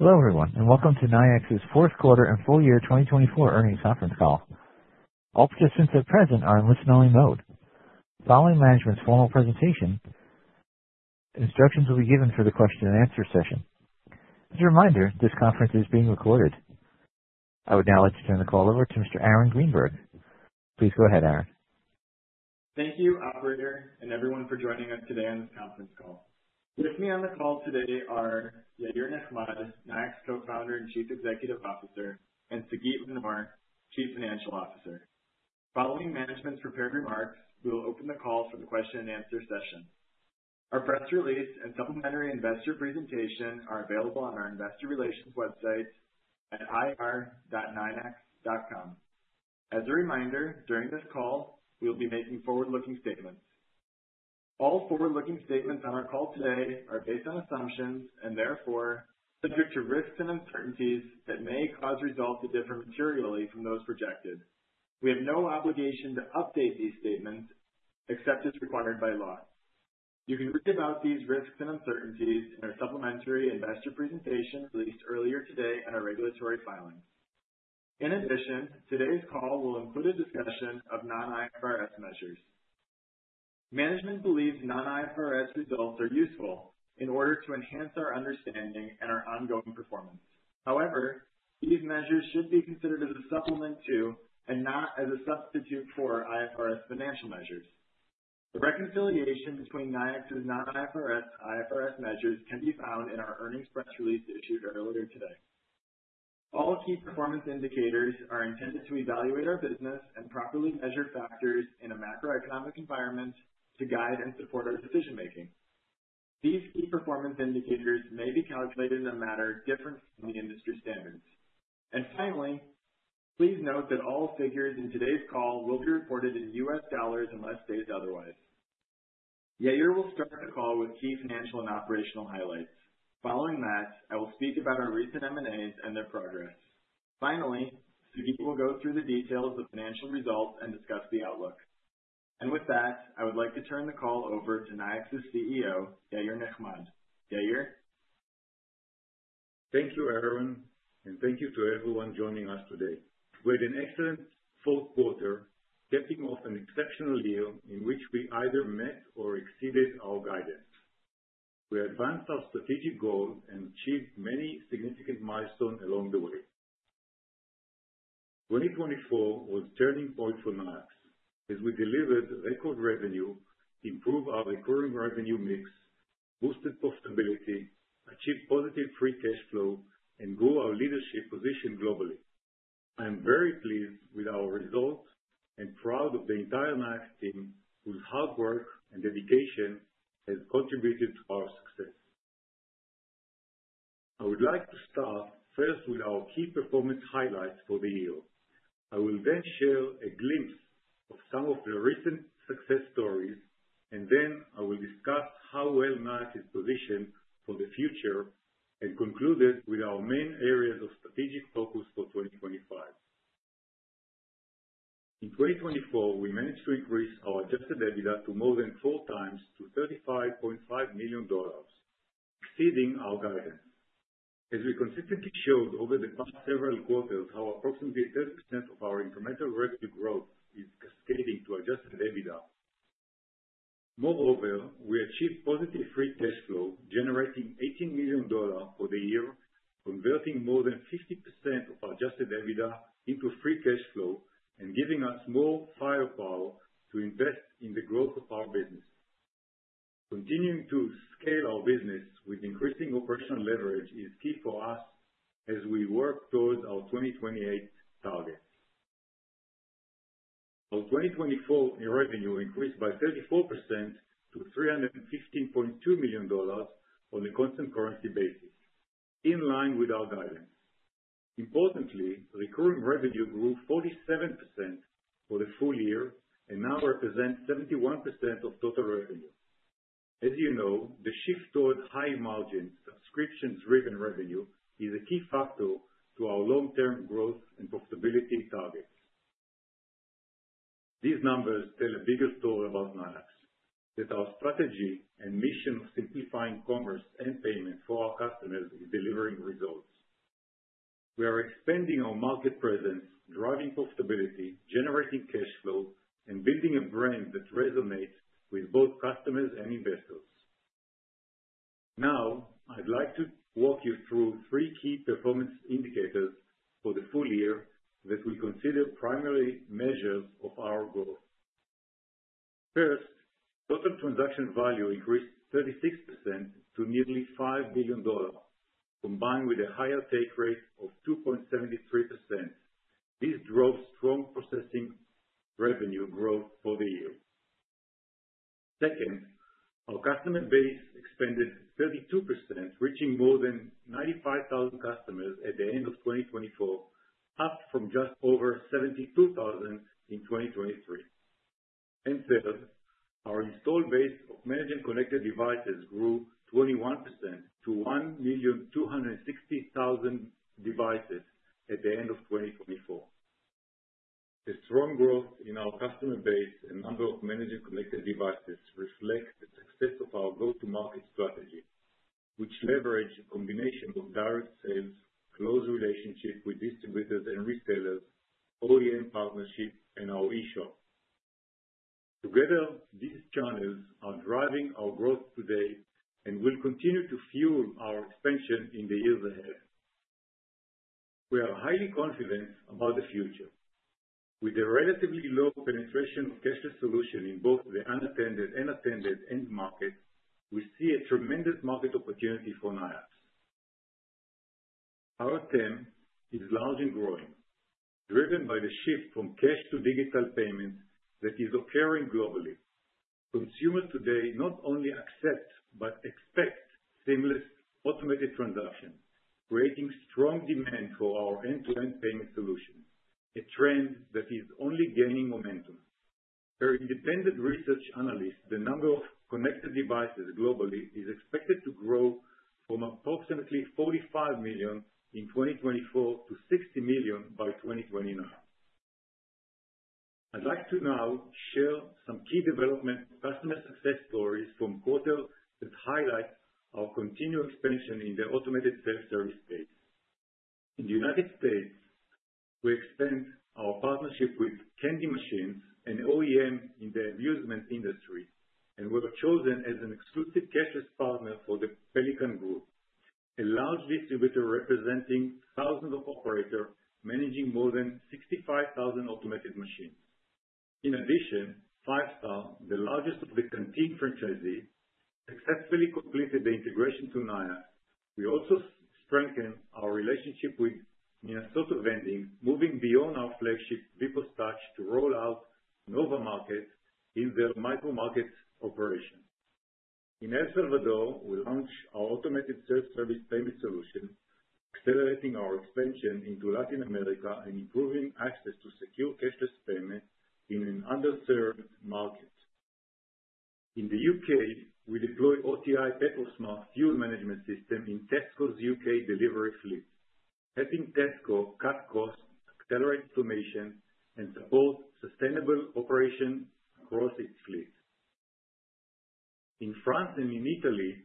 Hello everyone, and welcome to Nayax's fourth quarter and full year 2024 earnings conference call. All participants at present are in listen-only mode. Following management's formal presentation, instructions will be given for the question-and-answer session. As a reminder, this conference is being recorded. I would now like to turn the call over to Mr. Aaron Greenberg. Please go ahead, Aaron. Thank you, Operator, and everyone for joining us today on this conference call. With me on the call today are Yair Nechmad, Nayax Co-Founder and Chief Executive Officer, and Sagit Manor, Chief Financial Officer. Following management's prepared remarks, we will open the call for the question-and-answer session. Our press release and supplementary investor presentation are available on our investor relations website at ir.nayax.com. As a reminder, during this call, we will be making forward-looking statements. All forward-looking statements on our call today are based on assumptions and therefore subject to risks and uncertainties that may cause results to differ materially from those projected. We have no obligation to update these statements except as required by law. You can read about these risks and uncertainties in our supplementary investor presentation released earlier today in our regulatory filings. In addition, today's call will include a discussion of non-IFRS measures. Management believes non-IFRS results are useful in order to enhance our understanding and our ongoing performance. However, these measures should be considered as a supplement to and not as a substitute for IFRS financial measures. The reconciliation between Nayax's non-IFRS to IFRS measures can be found in our earnings press release issued earlier today. All key performance indicators are intended to evaluate our business and properly measure factors in a macroeconomic environment to guide and support our decision-making. These key performance indicators may be calculated in a manner different from the industry standards. Please note that all figures in today's call will be reported in U.S. dollars unless stated otherwise. Yair will start the call with key financial and operational highlights. Following that, I will speak about our recent M&As and their progress. Finally, Sagit will go through the details of financial results and discuss the outlook. With that, I would like to turn the call over to Nayax's CEO, Yair Nechmad. Yair? Thank you, Aaron, and thank you to everyone joining us today. We had an excellent fourth quarter, getting off an exceptional year in which we either met or exceeded our guidance. We advanced our strategic goals and achieved many significant milestones along the way. 2024 was a turning point for Nayax as we delivered record revenue, improved our recurring revenue mix, boosted profitability, achieved positive free cash flow, and grew our leadership position globally. I am very pleased with our results and proud of the entire Nayax team whose hard work and dedication have contributed to our success. I would like to start first with our key performance highlights for the year. I will then share a glimpse of some of the recent success stories, and then I will discuss how well Nayax is positioned for the future and conclude it with our main areas of strategic focus for 2025. In 2024, we managed to increase our Adjusted EBITDA to more than four times, to $35.5 million, exceeding our guidance. As we consistently showed over the past several quarters how approximately 30% of our incremental revenue growth is cascading to Adjusted EBITDA. Moreover, we achieved positive free cash flow, generating $18 million for the year, converting more than 50% of our Adjusted EBITDA into free cash flow and giving us more firepower to invest in the growth of our business. Continuing to scale our business with increasing operational leverage is key for us as we work towards our 2028 targets. Our 2024 revenue increased by 34% to $315.2 million on a constant currency basis, in line with our guidance. Importantly, recurring revenue grew 47% for the full year and now represents 71% of total revenue. As you know, the shift towards high-margin subscription-driven revenue is a key factor to our long-term growth and profitability targets. These numbers tell a bigger story about Nayax: that our strategy and mission of simplifying commerce and payment for our customers is delivering results. We are expanding our market presence, driving profitability, generating cash flow, and building a brand that resonates with both customers and investors. Now, I'd like to walk you through three key performance indicators for the full year that we consider primary measures of our growth. First, total transaction value increased 36% to nearly $5 billion, combined with a higher take rate of 2.73%. This drove strong processing revenue growth for the year. Second, our customer base expanded 32%, reaching more than 95,000 customers at the end of 2024, up from just over 72,000 in 2023. Our installed base of managing connected devices grew 21% to 1,260,000 devices at the end of 2024. The strong growth in our customer base and number of managing connected devices reflects the success of our go-to-market strategy, which leveraged a combination of direct sales, close relationships with distributors and resellers, OEM partnerships, and our e-shop. Together, these channels are driving our growth today and will continue to fuel our expansion in the years ahead. We are highly confident about the future. With the relatively low penetration of cashless solutions in both the unattended and attended end market, we see a tremendous market opportunity for Nayax. Our TEM is large and growing, driven by the shift from cash to digital payments that is occurring globally. Consumers today not only accept but expect seamless automated transactions, creating strong demand for our end-to-end payment solutions, a trend that is only gaining momentum. Per independent research analysts, the number of connected devices globally is expected to grow from approximately 45 million in 2024 to 60 million by 2029. I'd like to now share some key development customer success stories from the quarter that highlight our continued expansion in the automated self-service space. In the United States, we extend our partnership with Kendi Machines, an OEM in the amusement industry, and were chosen as an exclusive cashless partner for the Pelican Group, a large distributor representing thousands of operators managing more than 65,000 automated machines. In addition, Five Star, the largest of the Canteen franchisees, successfully completed the integration to Nayax. We also strengthened our relationship with Minnesota Vending, moving beyond our flagship VPOS Touch to roll out Nova Market in their micro-market operation. In El Salvador, we launched our automated self-service payment solution, accelerating our expansion into Latin America and improving access to secure cashless payment in an underserved market. In the U.K., we deployed OTI Petrosmart Fuel Management System in Tesco's U.K. delivery fleet, helping Tesco cut costs, accelerate automation, and support sustainable operation across its fleet. In France and in Italy,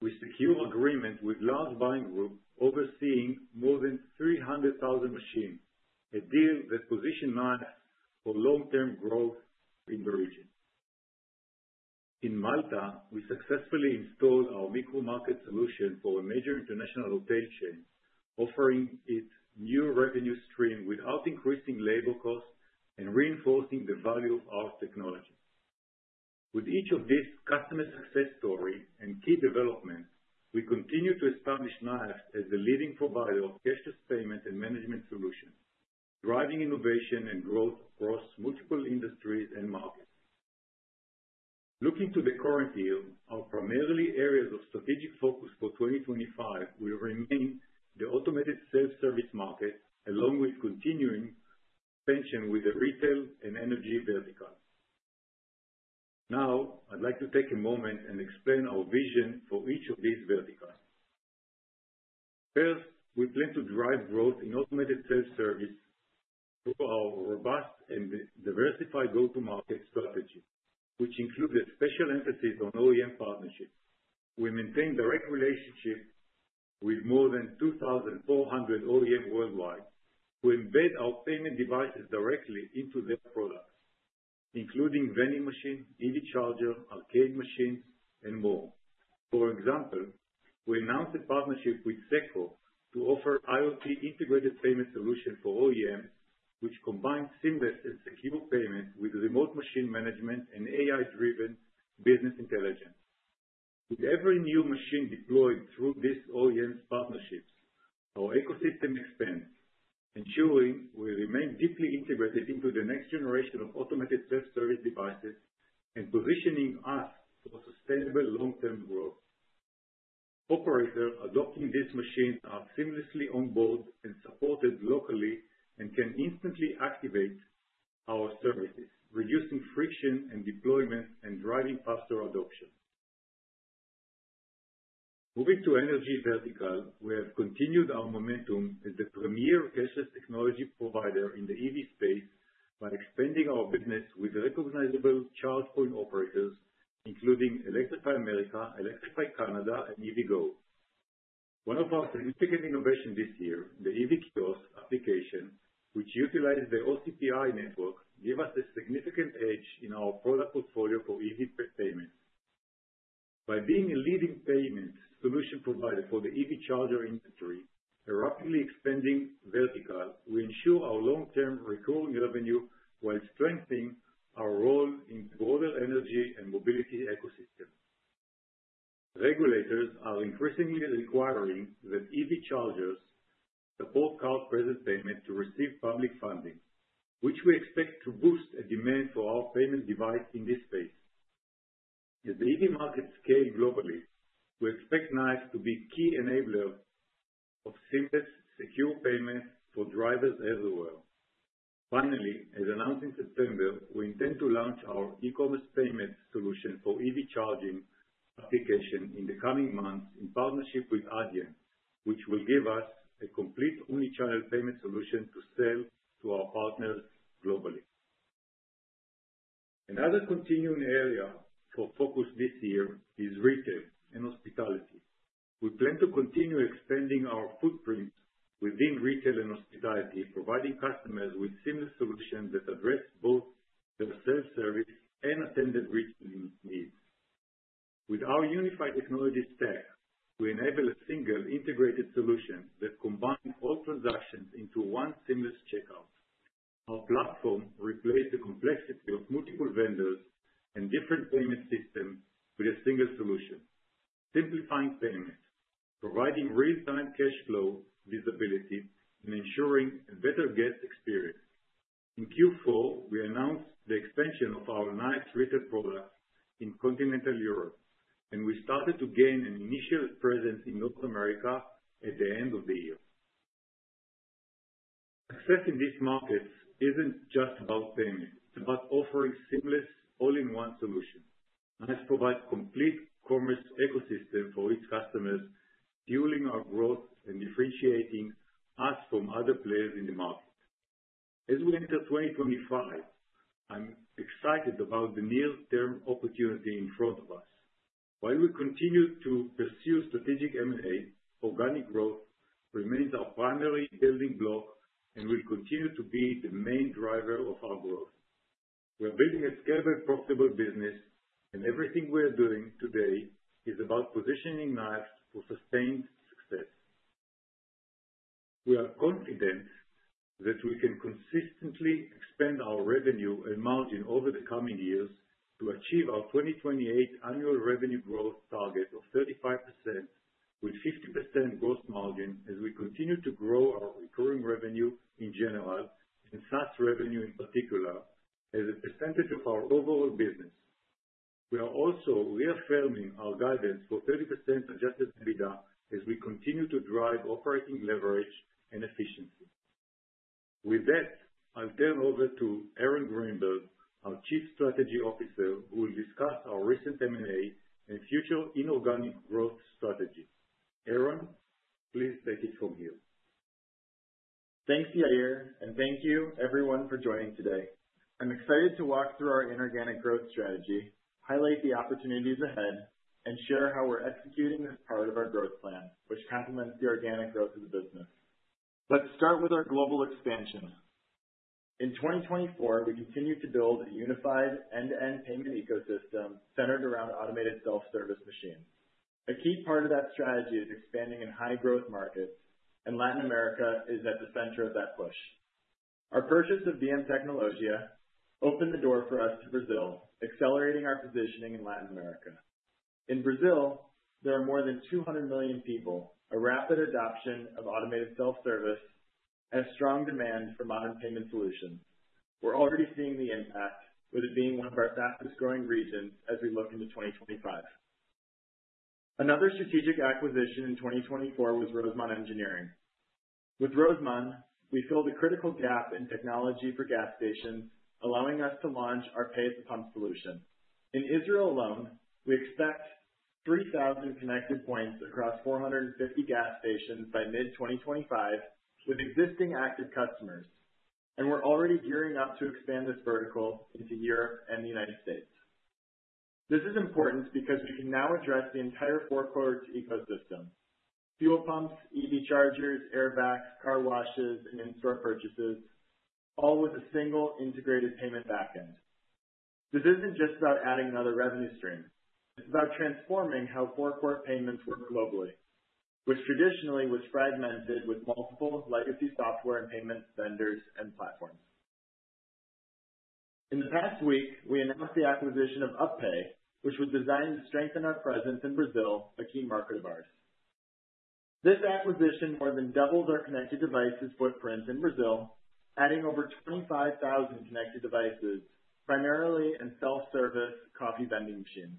we secured agreements with Large Buying Group, overseeing more than 300,000 machines, a deal that positioned Nayax for long-term growth in the region. In Malta, we successfully installed our micro-market solution for a major international retail chain, offering it a new revenue stream without increasing labor costs and reinforcing the value of our technology. With each of these customer success stories and key developments, we continue to establish Nayax as the leading provider of cashless payment and management solutions, driving innovation and growth across multiple industries and markets. Looking to the current year, our primary areas of strategic focus for 2025 will remain the automated self-service market, along with continuing expansion with the retail and energy verticals. Now, I'd like to take a moment and explain our vision for each of these verticals. First, we plan to drive growth in automated self-service through our robust and diversified go-to-market strategy, which includes a special emphasis on OEM partnerships. We maintain direct relationships with more than 2,400 OEMs worldwide who embed our payment devices directly into their products, including vending machines, EV chargers, arcade machines, and more. For example, we announced a partnership with SECO to offer IoT-integrated payment solutions for OEMs, which combine seamless and secure payments with remote machine management and AI-driven business intelligence. With every new machine deployed through these OEM partnerships, our ecosystem expands, ensuring we remain deeply integrated into the next generation of automated self-service devices and positioning us for sustainable long-term growth. Operators adopting these machines are seamlessly onboarded and supported locally and can instantly activate our services, reducing friction in deployment and driving faster adoption. Moving to the energy vertical, we have continued our momentum as the premier cashless technology provider in the EV space by expanding our business with recognizable charge point operators, including Electrify America, Electrify Canada, and EVGO. One of our significant innovations this year, the EV Kiosk application, which utilizes the OCPI network, gave us a significant edge in our product portfolio for EV payments. By being a leading payment solution provider for the EV charger industry and rapidly expanding verticals, we ensure our long-term recurring revenue while strengthening our role in the broader energy and mobility ecosystem. Regulators are increasingly requiring that EV chargers support card-present payment to receive public funding, which we expect to boost the demand for our payment devices in this space. As the EV market scales globally, we expect Nayax to be a key enabler of seamless, secure payments for drivers everywhere. Finally, as announced in September, we intend to launch our e-commerce payment solution for EV charging applications in the coming months in partnership with Adyen, which will give us a complete omnichannel payment solution to sell to our partners globally. Another continuing area for focus this year is retail and hospitality. We plan to continue expanding our footprint within retail and hospitality, providing customers with seamless solutions that address both their self-service and attended retailing needs. With our unified technology stack, we enable a single integrated solution that combines all transactions into one seamless checkout. Our platform replaces the complexity of multiple vendors and different payment systems with a single solution, simplifying payments, providing real-time cash flow visibility, and ensuring a better guest experience. In Q4, we announced the expansion of our Nayax Retail products in continental Europe, and we started to gain an initial presence in North America at the end of the year. Success in these markets isn't just about payment; it's about offering seamless, all-in-one solutions. Nayax provides a complete commerce ecosystem for its customers, fueling our growth and differentiating us from other players in the market. As we enter 2025, I'm excited about the near-term opportunity in front of us. While we continue to pursue strategic M&A, organic growth remains our primary building block and will continue to be the main driver of our growth. We are building a scalable, profitable business, and everything we are doing today is about positioning Nayax for sustained success. We are confident that we can consistently expand our revenue and margin over the coming years to achieve our 2028 annual revenue growth target of 35% with a 50% gross margin as we continue to grow our recurring revenue in general and SaaS revenue in particular as a percentage of our overall business. We are also reaffirming our guidance for 30% Adjusted EBITDA as we continue to drive operating leverage and efficiency. With that, I'll turn over to Aaron Greenberg, our Chief Strategy Officer, who will discuss our recent M&A and future inorganic growth strategies. Aaron, please take it from here. Thanks, Yair, and thank you, everyone, for joining today. I'm excited to walk through our inorganic growth strategy, highlight the opportunities ahead, and share how we're executing this part of our growth plan, which complements the organic growth of the business. Let's start with our global expansion. In 2024, we continue to build a unified end-to-end payment ecosystem centered around automated self-service machines. A key part of that strategy is expanding in high-growth markets, and Latin America is at the center of that push. Our purchase of BM Technologia opened the door for us to Brazil, accelerating our positioning in Latin America. In Brazil, there are more than 200 million people, a rapid adoption of automated self-service, and a strong demand for modern payment solutions. We're already seeing the impact, with it being one of our fastest-growing regions as we look into 2025. Another strategic acquisition in 2024 was Rosemont Engineering. With Rosemont, we filled a critical gap in technology for gas stations, allowing us to launch our pay-at-pump solution. In Israel alone, we expect 3,000 connected points across 450 gas stations by mid-2025 with existing active customers, and we're already gearing up to expand this vertical into Europe and the United States. This is important because we can now address the entire four-quarters ecosystem: fuel pumps, EV chargers, airbags, car washes, and in-store purchases, all with a single integrated payment backend. This isn't just about adding another revenue stream; it's about transforming how four-quarter payments work globally, which traditionally was fragmented with multiple legacy software and payment vendors and platforms. In the past week, we announced the acquisition of UPPay, which was designed to strengthen our presence in Brazil, a key market of ours. This acquisition more than doubles our connected devices footprint in Brazil, adding over 25,000 connected devices, primarily in self-service coffee vending machines.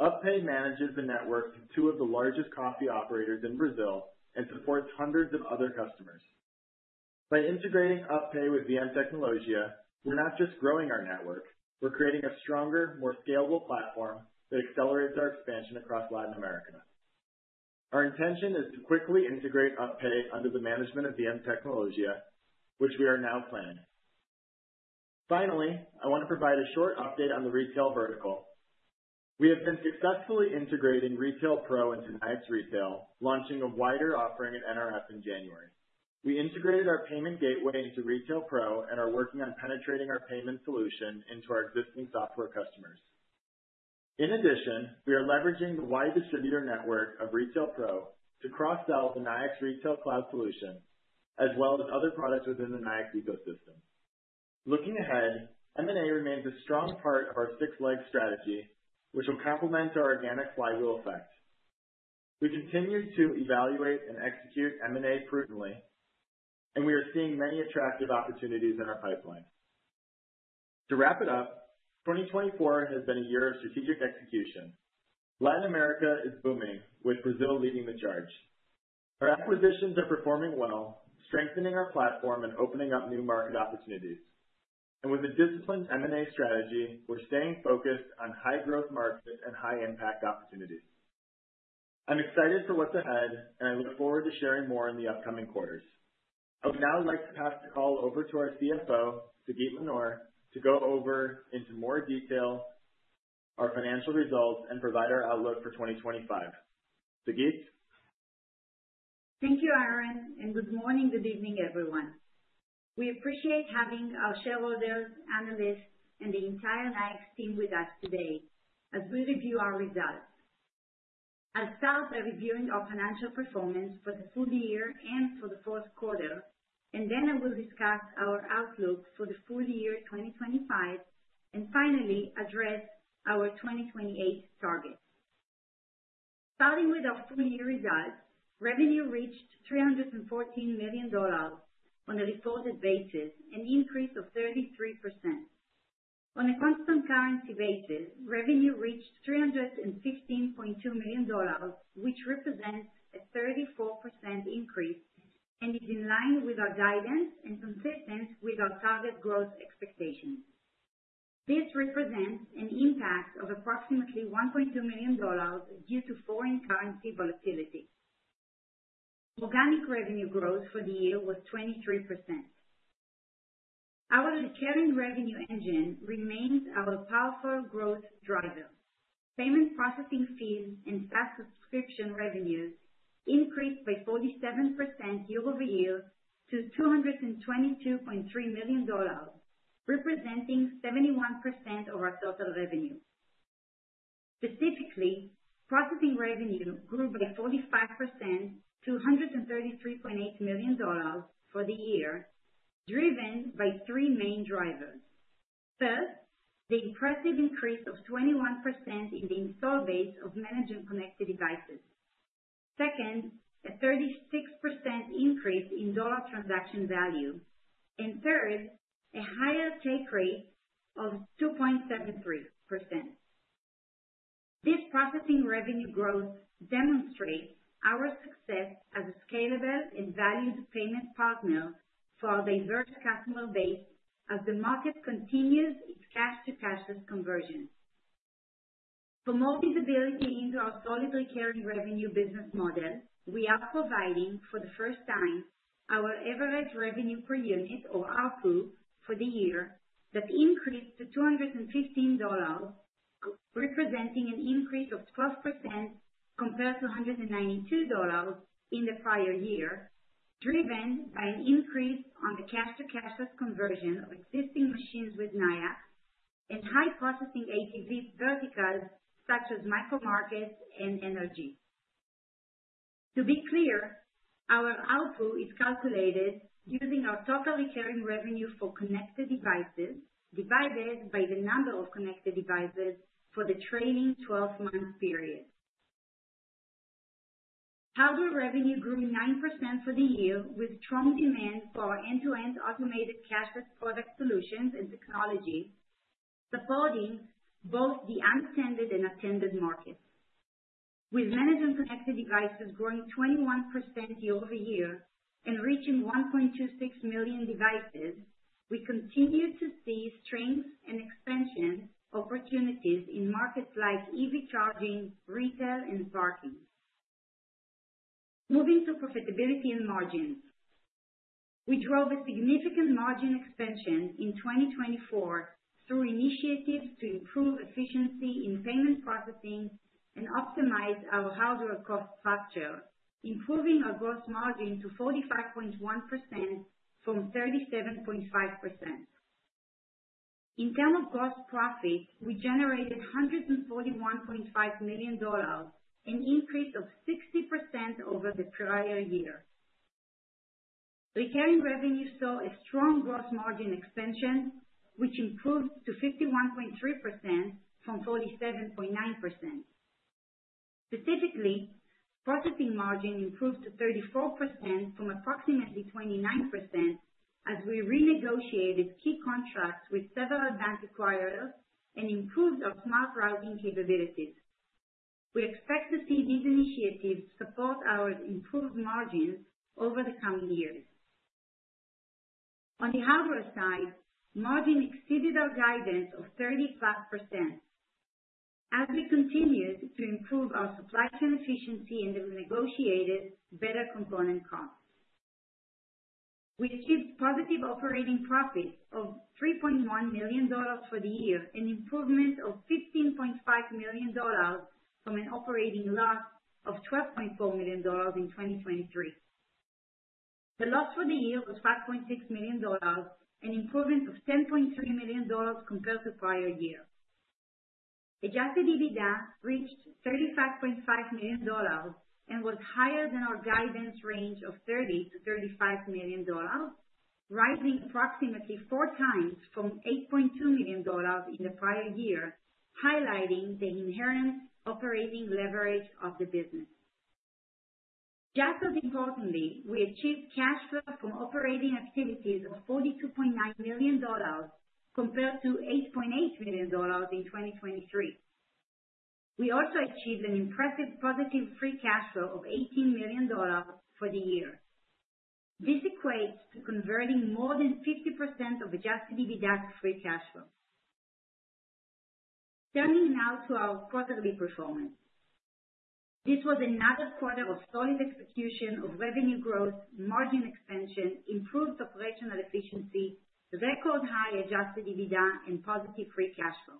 UPPay manages the network to two of the largest coffee operators in Brazil and supports hundreds of other customers. By integrating UPPay with BM Technologia, we're not just growing our network; we're creating a stronger, more scalable platform that accelerates our expansion across Latin America. Our intention is to quickly integrate UPPay under the management of BM Technologia, which we are now planning. Finally, I want to provide a short update on the retail vertical. We have been successfully integrating Retail Pro into Nayax Retail, launching a wider offering at NRF in January. We integrated our payment gateway into Retail Pro and are working on penetrating our payment solution into our existing software customers. In addition, we are leveraging the wide distributor network of Retail Pro to cross-sell the Nayax Retail Cloud solution, as well as other products within the Nayax ecosystem. Looking ahead, M&A remains a strong part of our six-legged strategy, which will complement our organic flywheel effect. We continue to evaluate and execute M&A prudently, and we are seeing many attractive opportunities in our pipeline. To wrap it up, 2024 has been a year of strategic execution. Latin America is booming, with Brazil leading the charge. Our acquisitions are performing well, strengthening our platform and opening up new market opportunities. With a disciplined M&A strategy, we're staying focused on high-growth markets and high-impact opportunities. I'm excited for what's ahead, and I look forward to sharing more in the upcoming quarters. I would now like to pass the call over to our CFO, Sagit Manor, to go over, in more detail, our financial results and provide our outlook for 2025. Sagit? Thank you, Aaron, and good morning, good evening, everyone. We appreciate having our shareholders, analysts, and the entire Nayax team with us today as we review our results. I'll start by reviewing our financial performance for the full year and for the fourth quarter, and then I will discuss our outlook for the full year 2025, and finally, address our 2028 target. Starting with our full-year results, revenue reached $314 million on a reported basis, an increase of 33%. On a constant currency basis, revenue reached $315.2 million, which represents a 34% increase and is in line with our guidance and consistent with our target growth expectations. This represents an impact of approximately $1.2 million due to foreign currency volatility. Organic revenue growth for the year was 23%. Our recurring revenue engine remains our powerful growth driver. Payment processing fees and SaaS subscription revenues increased by 47% year-over-year to $222.3 million, representing 71% of our total revenue. Specifically, processing revenue grew by 45% to $133.8 million for the year, driven by three main drivers. First, the impressive increase of 21% in the install base of managing connected devices. Second, a 36% increase in dollar transaction value. Third, a higher take rate of 2.73%. This processing revenue growth demonstrates our success as a scalable and valued payment partner for our diverse customer base as the market continues its cash-to-cashless conversion. For more visibility into our solid recurring revenue business model, we are providing, for the first time, our average revenue per unit, or ARPU, for the year that increased to $215, representing an increase of 12% compared to $192 in the prior year, driven by an increase on the cash-to-cashless conversion of existing machines with Nayax and high-processing ATV verticals such as micro-markets and energy. To be clear, our ARPU is calculated using our total recurring revenue for connected devices divided by the number of connected devices for the trailing 12-month period. Hardware revenue grew 9% for the year with strong demand for our end-to-end automated cashless product solutions and technology, supporting both the unattended and attended markets. With managing connected devices growing 21% year-over-year and reaching 1.26 million devices, we continue to see strength and expansion opportunities in markets like EV charging, retail, and parking. Moving to profitability and margins, we drove a significant margin expansion in 2024 through initiatives to improve efficiency in payment processing and optimize our hardware cost structure, improving our gross margin to 45.1% from 37.5%. In terms of gross profit, we generated $141.5 million, an increase of 60% over the prior year. Recurring revenue saw a strong gross margin expansion, which improved to 51.3% from 47.9%. Specifically, processing margin improved to 34% from approximately 29% as we renegotiated key contracts with several bank acquirers and improved our smart routing capabilities. We expect to see these initiatives support our improved margins over the coming years. On the hardware side, margin exceeded our guidance of 35% as we continued to improve our supply chain efficiency and renegotiated better component costs. We achieved positive operating profit of $3.1 million for the year, an improvement of $15.5 million from an operating loss of $12.4 million in 2023. The loss for the year was $5.6 million, an improvement of $10.3 million compared to the prior year. Adjusted EBITDA reached $35.5 million and was higher than our guidance range of $30 million-$35 million, rising approximately four times from $8.2 million in the prior year, highlighting the inherent operating leverage of the business. Just as importantly, we achieved cash flow from operating activities of $42.9 million compared to $8.8 million in 2023. We also achieved an impressive positive free cash flow of $18 million for the year. This equates to converting more than 50% of Adjusted EBITDA to free cash flow. Turning now to our quarterly performance, this was another quarter of solid execution of revenue growth, margin expansion, improved operational efficiency, record-high Adjusted EBITDA, and positive free cash flow.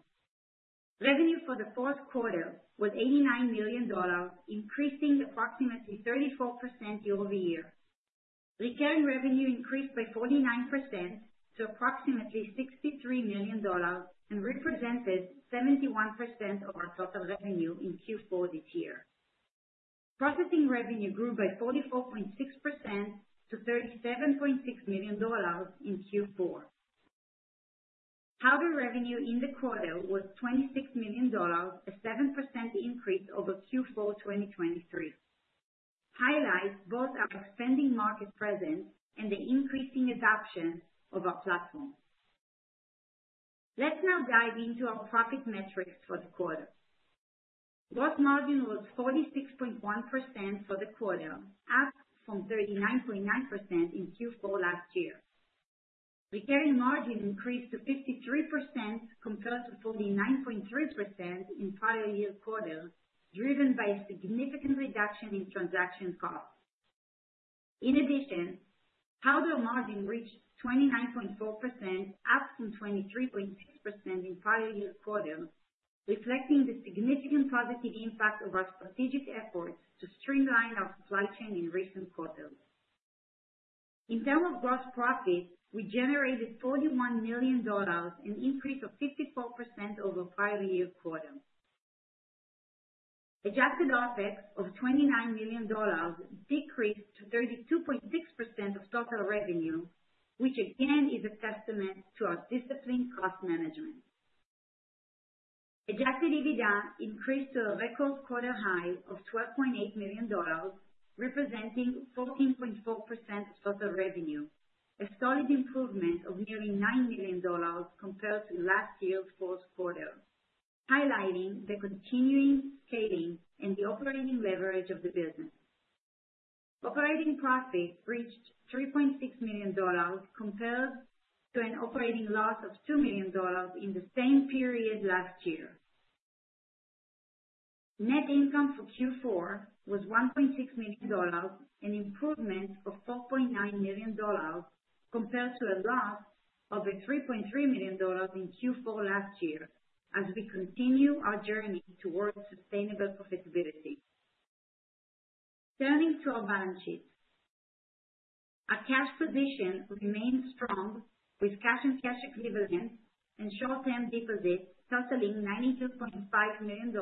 Revenue for the fourth quarter was $89 million, increasing approximately 34% year-over-year. Recurring revenue increased by 49% to approximately $63 million and represented 71% of our total revenue in Q4 this year. Processing revenue grew by 44.6% to $37.6 million in Q4. Hardware revenue in the quarter was $26 million, a 7% increase over Q4 2023, highlighting both our expanding market presence and the increasing adoption of our platform. Let's now dive into our profit metrics for the quarter. Gross margin was 46.1% for the quarter, up from 39.9% in Q4 last year. Recurring margin increased to 53% compared to 49.3% in the prior year quarter, driven by a significant reduction in transaction costs. In addition, hardware margin reached 29.4%, up from 23.6% in the prior year quarter, reflecting the significant positive impact of our strategic efforts to streamline our supply chain in recent quarters. In terms of gross profit, we generated $41 million and an increase of 54% over the prior year quarter. Adjusted ARPEX of $29 million decreased to 32.6% of total revenue, which again is a testament to our disciplined cost management. Adjusted EBITDA increased to a record quarter high of $12.8 million, representing 14.4% of total revenue, a solid improvement of nearly $9 million compared to last year's fourth quarter, highlighting the continuing scaling and the operating leverage of the business. Operating profit reached $3.6 million compared to an operating loss of $2 million in the same period last year. Net income for Q4 was $1.6 million, an improvement of $4.9 million compared to a loss of $3.3 million in Q4 last year, as we continue our journey towards sustainable profitability. Turning to our balance sheet, our cash position remains strong with cash and cash equivalents and short-term deposits totaling $92.5 million,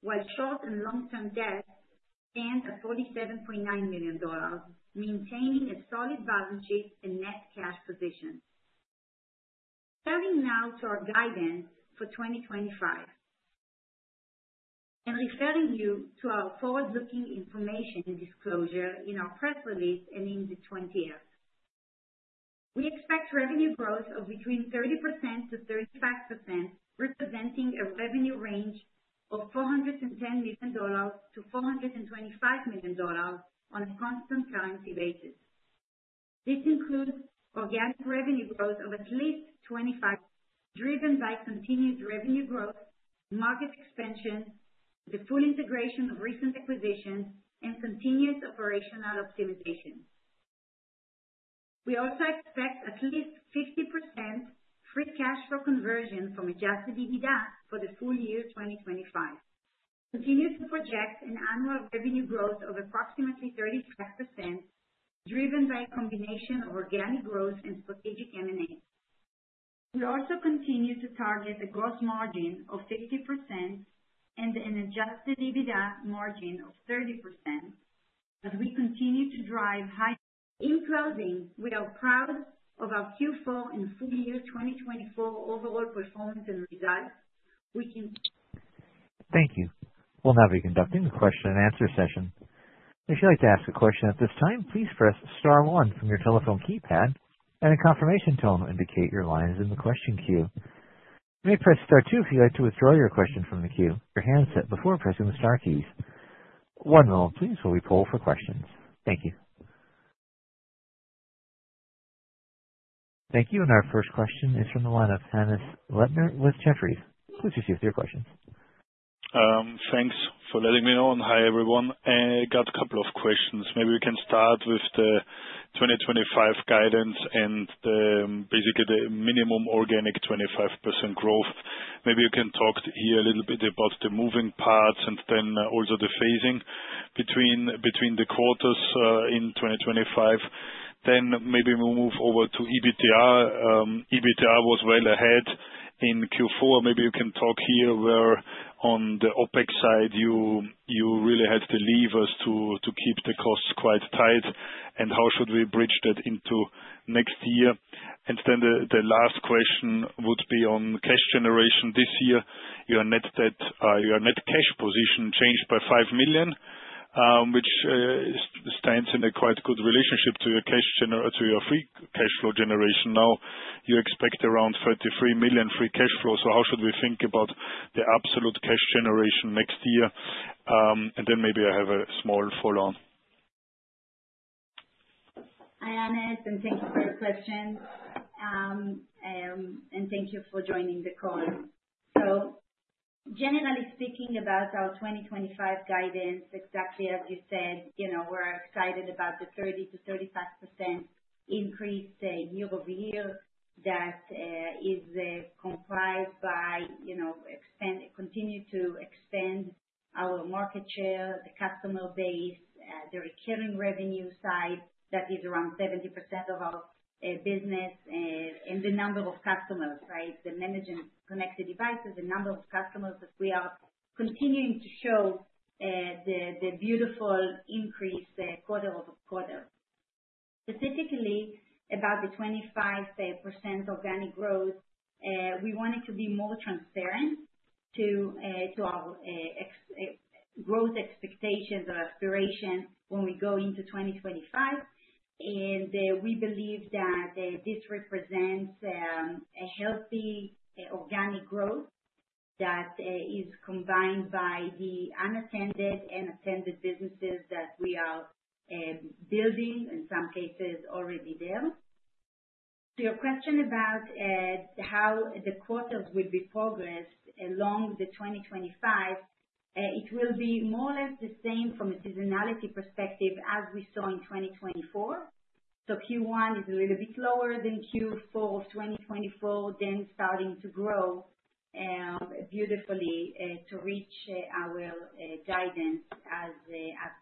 while short and long-term debt stands at $47.9 million, maintaining a solid balance sheet and net cash position. Turning now to our guidance for 2025 and referring you to our forward-looking information disclosure in our press release and in the 20th. We expect revenue growth of between 30% and 35%, representing a revenue range of $410 million-$425 million on a constant currency basis. This includes organic revenue growth of at least $25 million, driven by continued revenue growth, market expansion, the full integration of recent acquisitions, and continuous operational optimization. We also expect at least 50% free cash flow conversion from Adjusted EBITDA for the full year 2025. Continue to project an annual revenue growth of approximately 35%, driven by a combination of organic growth and strategic M&A. We also continue to target a gross margin of 50% and an Adjusted EBITDA margin of 30% as we continue to drive high. In closing, we are proud of our Q4 and full year 2024 overall performance and results. We can. Thank you. We'll now be conducting the question-and-answer session. If you'd like to ask a question at this time, please press star one from your telephone keypad, and in confirmation tone, indicate your line is in the question queue. You may press star two if you'd like to withdraw your question from the queue. Your handset before pressing the Star keys. One moment, please, while we pull for questions. Thank you. Thank you. Our first question is from the line of Hannes Leitner with Jefferies. Please proceed with your questions. Thanks for letting me know and hi, everyone. I got a couple of questions. Maybe we can start with the 2025 guidance and basically the minimum organic 25% growth. Maybe you can talk here a little bit about the moving parts and then also the phasing between the quarters in 2025. Maybe we'll move over to EBITDA. EBITDA was well ahead in Q4. Maybe you can talk here where on the OpEx side you really had to leave us to keep the costs quite tight, and how should we bridge that into next year? The last question would be on cash generation this year. Your net cash position changed by $5 million, which stands in a quite good relationship to your free cash flow generation. You expect around $33 million free cash flow. How should we think about the absolute cash generation next year? I have a small follow-on. Hi, Hannes, and thank you for your question. Thank you for joining the call. Generally speaking about our 2025 guidance, exactly as you said, we're excited about the 30%-35% increase year-over-year that is comprised by continuing to expand our market share, the customer base, the recurring revenue side that is around 70% of our business, and the number of customers, right? The managing connected devices, the number of customers that we are continuing to show the beautiful increase quarter over quarter. Specifically, about the 25% organic growth, we wanted to be more transparent to our growth expectations or aspirations when we go into 2025. We believe that this represents a healthy organic growth that is combined by the unattended and attended businesses that we are building, in some cases already there. To your question about how the quarters will be progressed along the 2025, it will be more or less the same from a seasonality perspective as we saw in 2024. Q1 is a little bit lower than Q4 of 2024, then starting to grow beautifully to reach our guidance as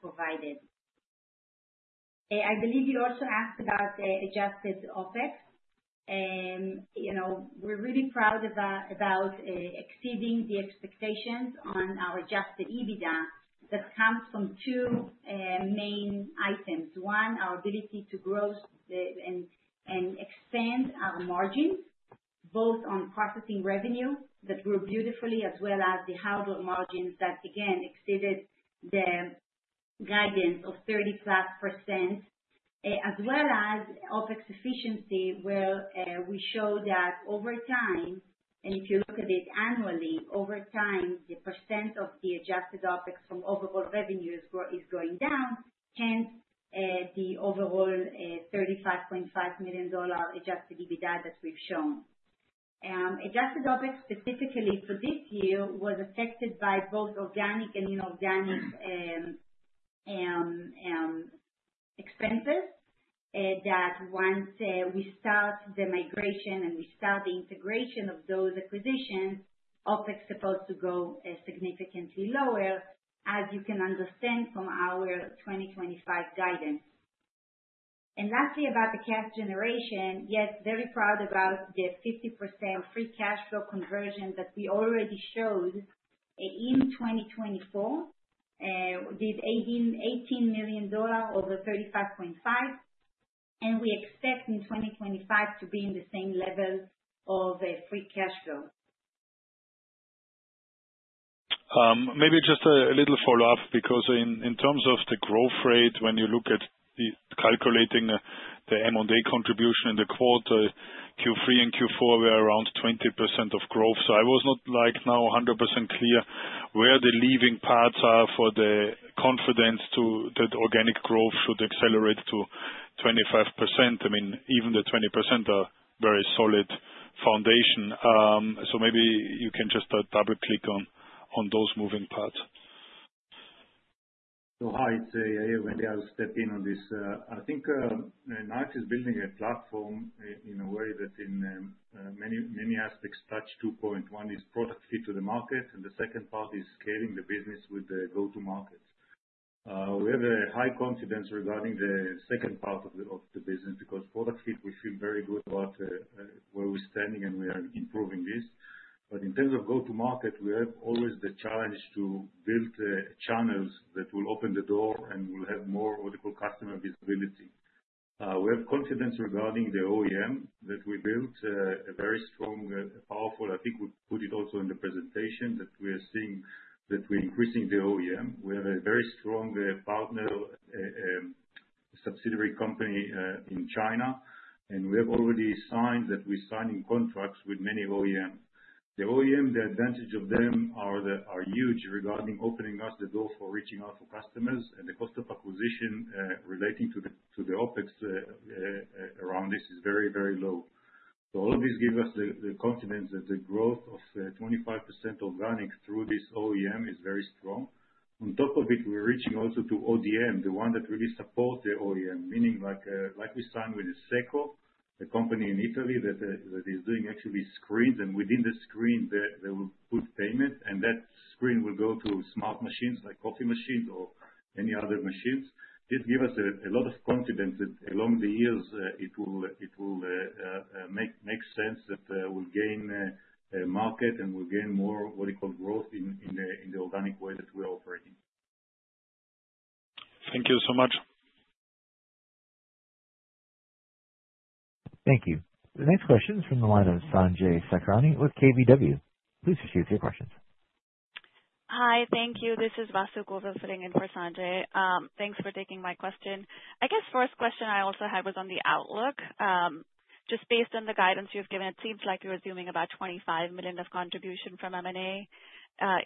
provided. I believe you also asked about adjusted OpEx. We're really proud about exceeding the expectations on our Adjusted EBITDA that comes from two main items. One, our ability to grow and expand our margin, both on processing revenue that grew beautifully, as well as the hardware margins that, again, exceeded the guidance of 30+%, as well as OpEx efficiency, where we show that over time, and if you look at it annually, over time, the percent of the adjusted OpEx from overall revenues is going down, hence the overall $35.5 million Adjusted EBITDA that we've shown. Adjusted OpEx specifically for this year was affected by both organic and inorganic expenses that once we start the migration and we start the integration of those acquisitions, OpEx is supposed to go significantly lower, as you can understand from our 2025 guidance. Lastly, about the cash generation, yes, very proud about the 50% free cash flow conversion that we already showed in 2024, did $18 million over $35.5 million, and we expect in 2025 to be in the same level of free cash flow. Maybe just a little follow-up, because in terms of the growth rate, when you look at calculating the M&A contribution in the quarter, Q3 and Q4 were around 20% of growth. I was not now 100% clear where the leaving parts are for the confidence that organic growth should accelerate to 25%. I mean, even the 20% are a very solid foundation. Maybe you can just double-click on those moving parts. Hi, it's Nayax Yair, and I'll step in on this. I think Nayax is building a platform in a way that in many aspects touched two points. One is product fit to the market, and the second part is scaling the business with the go-to-market. We have a high confidence regarding the second part of the business because product fit, we feel very good about where we're standing and we are improving this. In terms of go-to-market, we have always the challenge to build channels that will open the door and will have more what we call customer visibility. We have confidence regarding the OEM that we built, a very strong, powerful. I think we put it also in the presentation that we are seeing that we're increasing the OEM. We have a very strong partner, subsidiary company in China, and we have already signed that we're signing contracts with many OEM. The OEM, the advantage of them are huge regarding opening us the door for reaching out for customers, and the cost of acquisition relating to the OpEx around this is very, very low. All of this gives us the confidence that the growth of 25% organic through this OEM is very strong. On top of it, we're reaching also to ODM, the one that really supports the OEM, meaning like we signed with SECO, a company in Italy that is doing actually screens, and within the screen, they will put payment, and that screen will go to smart machines like coffee machines or any other machines. This gives us a lot of confidence that along the years, it will make sense that we'll gain market and we'll gain more what we call growth in the organic way that we're operating. Thank you so much. Thank you. The next question is from the line of Sanjay Sakhrani with KBW. Please proceed with your questions. Hi, thank you. This is Vasu Govil sitting in for Sanjay. Thanks for taking my question. I guess first question I also had was on the outlook. Just based on the guidance you've given, it seems like you're assuming about $25 million of contribution from M&A.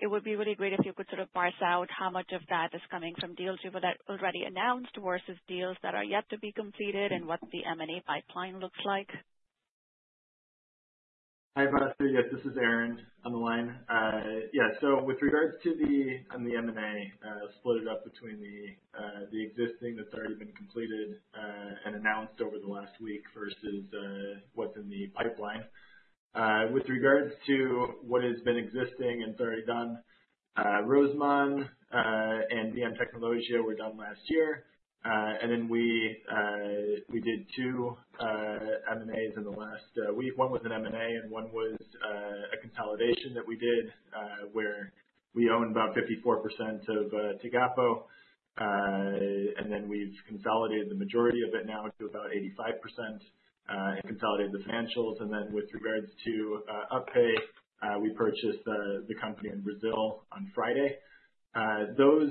It would be really great if you could sort of parse out how much of that is coming from deals you've already announced versus deals that are yet to be completed and what the M&A pipeline looks like. Hi, Vasu. Yes, this is Aaron on the line. Yeah. So with regards to the M&A split it up between the existing that's already been completed and announced over the last week versus what's in the pipeline. With regards to what has been existing and it's already done, Rosemont Engineering and BM Technologia were done last year. We did two M&As in the last week. One was an M&A and one was a consolidation that we did where we owned about 54% of TEGAPO, and then we've consolidated the majority of it now to about 85% and consolidated the financials. With regards to UPPay, we purchased the company in Brazil on Friday. Those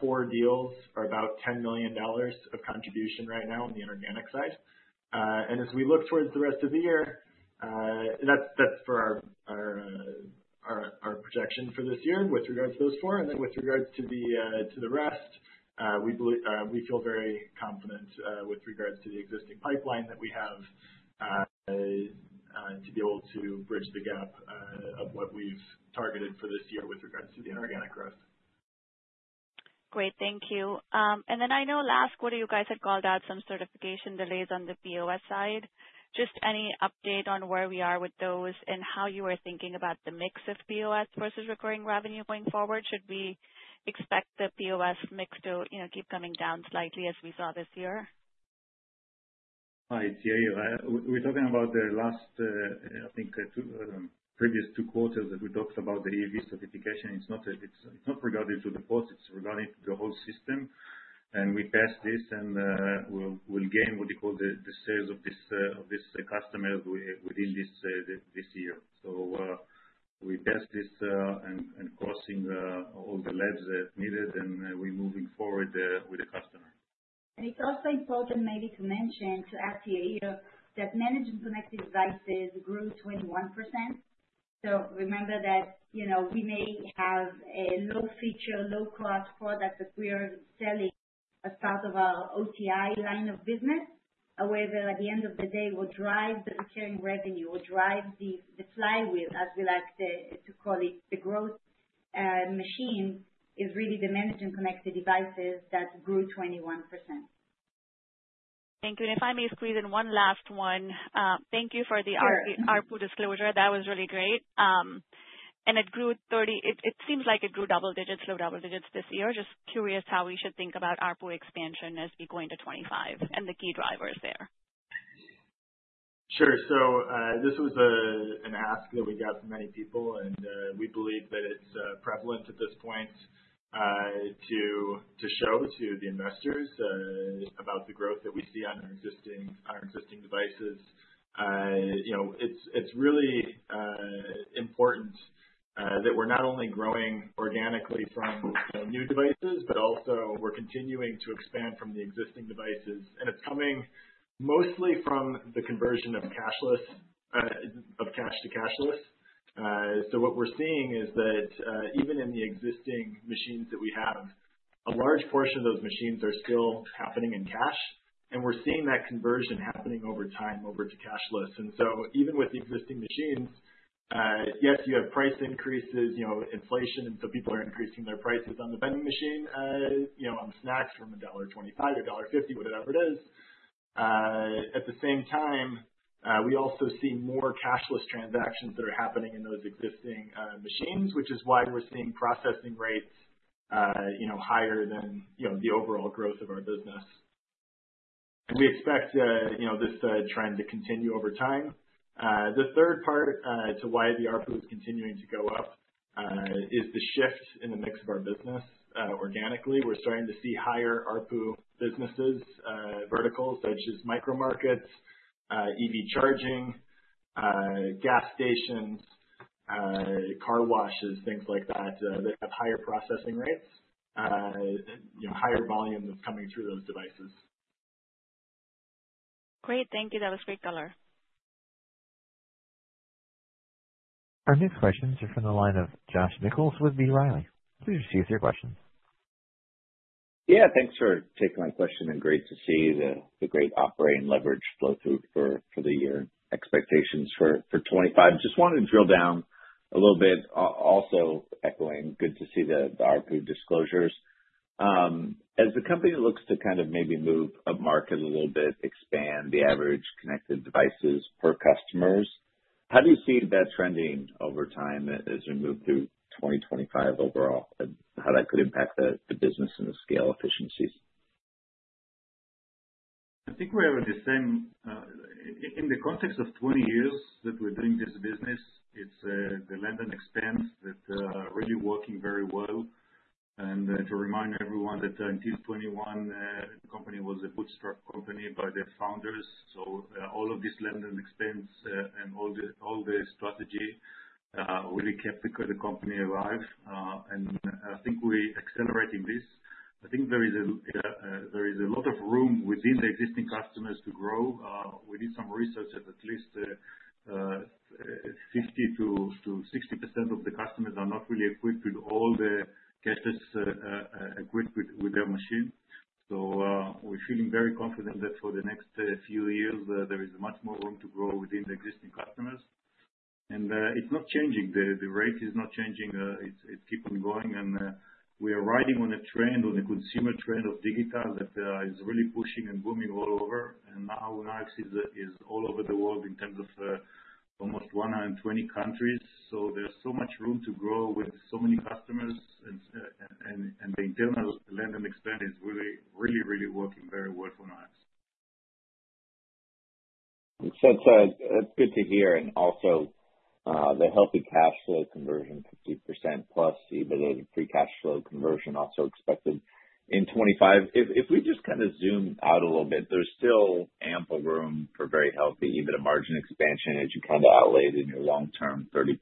four deals are about $10 million of contribution right now on the inorganic side. As we look towards the rest of the year, that's for our projection for this year with regards to those four. Then with regards to the rest, we feel very confident with regards to the existing pipeline that we have to be able to bridge the gap of what we've targeted for this year with regards to the inorganic growth. Great. Thank you. I know last quarter, you guys had called out some certification delays on the POS side. Just any update on where we are with those and how you are thinking about the mix of POS versus recurring revenue going forward? Should we expect the POS mix to keep coming down slightly as we saw this year? Hi, it's Nayax. We're talking about the last, I think, previous two quarters that we talked about the EV certification. It's not regarded to the ports. It's regarding the whole system. We passed this and we'll gain what we call the sales of these customers within this year. We passed this and crossing all the levels that needed, and we're moving forward with the customer. It's also important maybe to mention to ask you here that managing connected devices grew 21%. Remember that we may have a low-feature, low-cost product that we are selling as part of our OTI line of business, however, at the end of the day, what drives the recurring revenue, what drives the flywheel, as we like to call it, the growth machine, is really the managing connected devices that grew 21%. Thank you. If I may squeeze in one last one, thank you for the ARPU disclosure. That was really great. It seems like it grew double digits, low double digits this year. Just curious how we should think about ARPU expansion as we go into 2025 and the key drivers there. Sure. This was an ask that we got from many people, and we believe that it's prevalent at this point to show to the investors about the growth that we see on our existing devices. It's really important that we're not only growing organically from new devices, but also we're continuing to expand from the existing devices. It's coming mostly from the conversion of cash to cashless. What we're seeing is that even in the existing machines that we have, a large portion of those machines are still happening in cash, and we're seeing that conversion happening over time over to cashless. Even with existing machines, yes, you have price increases, inflation, and so people are increasing their prices on the vending machine, on snacks from $1.25 or $1.50, whatever it is. At the same time, we also see more cashless transactions that are happening in those existing machines, which is why we're seeing processing rates higher than the overall growth of our business. We expect this trend to continue over time. The third part to why the ARPU is continuing to go up is the shift in the mix of our business organically. We're starting to see higher ARPU businesses, verticals such as micro markets, EV charging, gas stations, car washes, things like that that have higher processing rates, higher volume of coming through those devices. Great. Thank you. That was great color. Our next questions are from the line of Josh Nichols with B. Riley. Please proceed with your questions. Yeah. Thanks for taking my question and great to see the great operating leverage flow through for the year. Expectations for 2025. Just wanted to drill down a little bit, also echoing good to see the ARPU disclosures. As the company looks to kind of maybe move up market a little bit, expand the average connected devices per customers, how do you see that trending over time as we move through 2025 overall, and how that could impact the business and the scale efficiencies? I think we're the same in the context of 20 years that we're doing this business. It's the land and expense that are really working very well. To remind everyone that until 2021, the company was a bootstrap company by the founders. All of this land and expense and all the strategy really kept the company alive. I think we're accelerating this. I think there is a lot of room within the existing customers to grow. We did some research that at least 50%-60% of the customers are not really equipped with all the gadgets equipped with their machine. We are feeling very confident that for the next few years, there is much more room to grow within the existing customers. It is not changing. The rate is not changing. It is keeping going. We are riding on a trend, on a consumer trend of digital that is really pushing and booming all over. Nayax is all over the world in terms of almost 120 countries. There is so much room to grow with so many customers, and the internal land and expense is really, really, really working very well for Nayax. That is good to hear. Also, the healthy cash flow conversion, 50%+ EBITDA and free cash flow conversion also expected in 2025. If we just kind of zoom out a little bit, there's still ample room for very healthy EBITDA margin expansion, as you kind of outlaid in your long-term 30%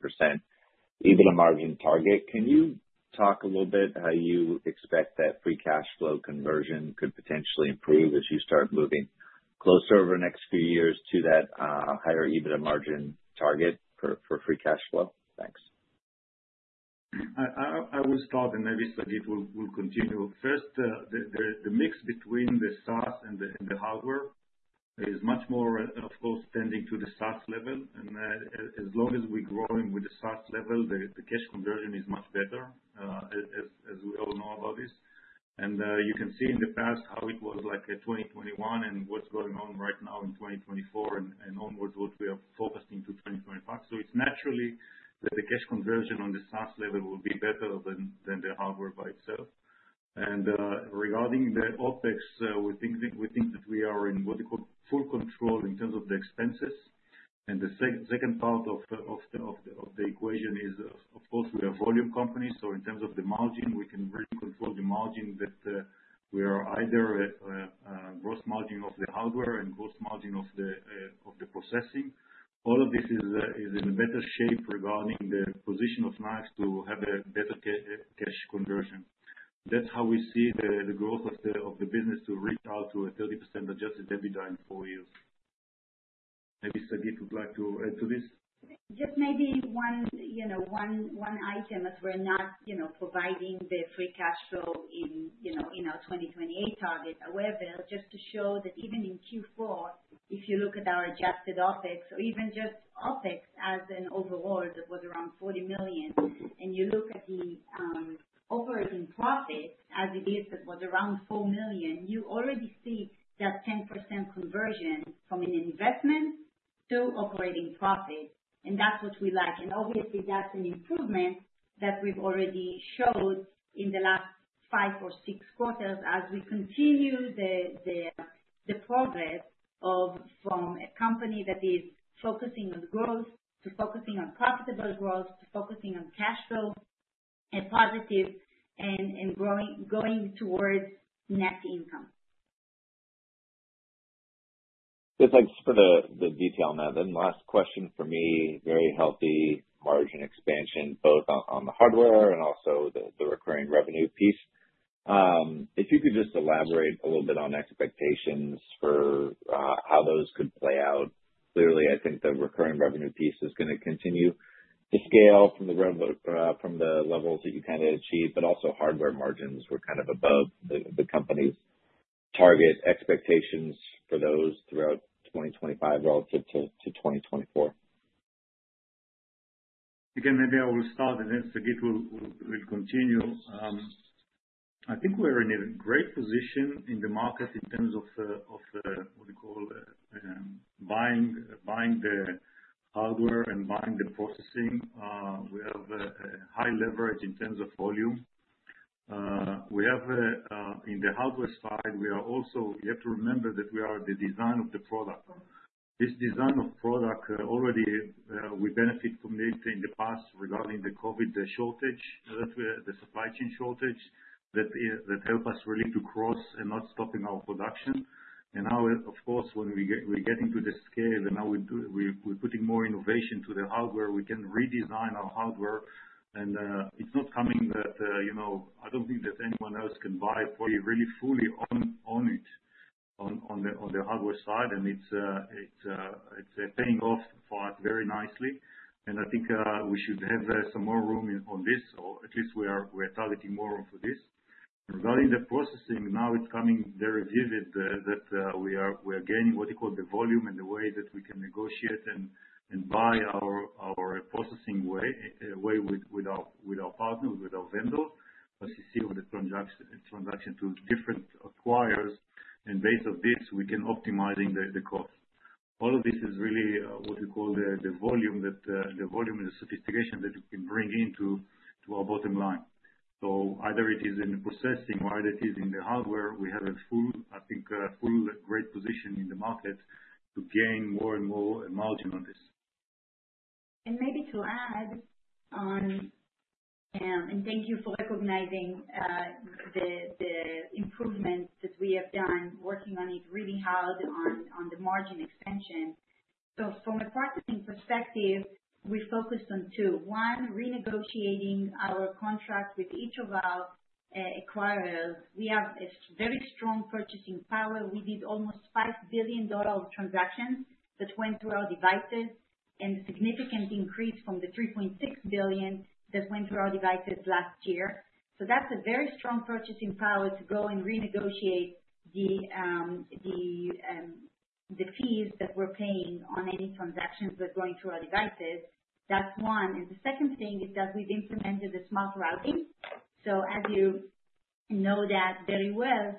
EBITDA margin target. Can you talk a little bit how you expect that free cash flow conversion could potentially improve as you start moving closer over the next few years to that higher EBITDA margin target for free cash flow? Thanks. I was talking earlier that it will continue. First, the mix between the SaaS and the hardware is much more, of course, tending to the SaaS level. As long as we're growing with the SaaS level, the cash conversion is much better, as we all know about this. You can see in the past how it was like 2021 and what's going on right now in 2024 and onwards what we are focusing to 2025. It is naturally that the cash conversion on the SaaS level will be better than the hardware by itself. Regarding the OpEx, we think that we are in what we call full control in terms of the expenses. The second part of the equation is, of course, we are a volume company. In terms of the margin, we can really control the margin, either gross margin of the hardware and gross margin of the processing. All of this is in a better shape regarding the position of Nayax to have a better cash conversion. That is how we see the growth of the business to reach out to a 30% Adjusted EBITDA in four years. Maybe Sagit would like to add to this? Just maybe one item that we are not providing the free cash flow in our 2028 target. However, just to show that even in Q4, if you look at our adjusted OpEx or even just OpEx as an overall that was around $40 million, and you look at the operating profit as it is that was around $4 million, you already see that 10% conversion from an investment to operating profit. That is what we like. Obviously, that is an improvement that we have already showed in the last five or six quarters as we continue the progress from a company that is focusing on growth to focusing on profitable growth to focusing on cash flow and positive and going towards net income. Just thanks for the detail on that. Last question for me, very healthy margin expansion, both on the hardware and also the recurring revenue piece. If you could just elaborate a little bit on expectations for how those could play out. Clearly, I think the recurring revenue piece is going to continue to scale from the levels that you kind of achieved, but also hardware margins were kind of above the company's target expectations for those throughout 2025 relative to 2024. Again, maybe I will start and then Sagit will continue. I think we're in a great position in the market in terms of what we call buying the hardware and buying the processing. We have a high leverage in terms of volume. In the hardware side, you have to remember that we are the design of the product. This design of product already we benefit from it in the past regarding the COVID shortage, the supply chain shortage that helped us really to cross and not stopping our production. Now, of course, when we get into the scale and now we're putting more innovation to the hardware, we can redesign our hardware. It's not coming that I don't think that anyone else can buy. Really fully on it on the hardware side, and it's paying off for us very nicely. I think we should have some more room on this, or at least we are targeting more for this. Regarding the processing, now it's coming very vivid that we are gaining what we call the volume and the way that we can negotiate and buy our processing way with our partners, with our vendors. As you see on the transaction to different acquirers, and based on this, we can optimize the cost. All of this is really what we call the volume and the sophistication that you can bring into our bottom line. Either it is in the processing or either it is in the hardware, we have a full, I think, full great position in the market to gain more and more margin on this. Maybe to add on, and thank you for recognizing the improvement that we have done working on it really hard on the margin expansion. From a processing perspective, we focused on two. One, renegotiating our contract with each of our acquirers. We have a very strong purchasing power. We did almost $5 billion transactions that went through our devices and a significant increase from the $3.6 billion that went through our devices last year. That is a very strong purchasing power to go and renegotiate the fees that we are paying on any transactions that are going through our devices. That is one. The second thing is that we have implemented the smart routing. As you know that very well,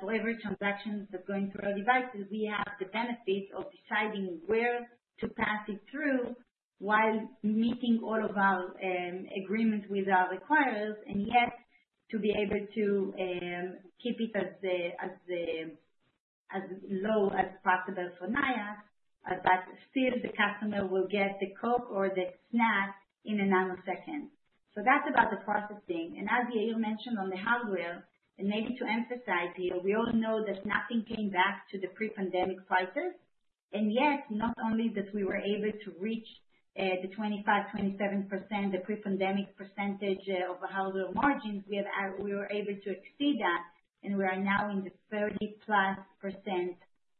for every transaction that's going through our devices, we have the benefit of deciding where to pass it through while meeting all of our agreements with our acquirers, and yet to be able to keep it as low as possible for Nayax, but still the customer will get the Coke or the snack in a nanosecond. That's about the processing. As Yael mentioned on the hardware, and maybe to emphasize here, we all know that nothing came back to the pre-pandemic crisis. Yet, not only that we were able to reach the 25%-27% pre-pandemic percentage of our hardware margins, we were able to exceed that, and we are now in the 30%+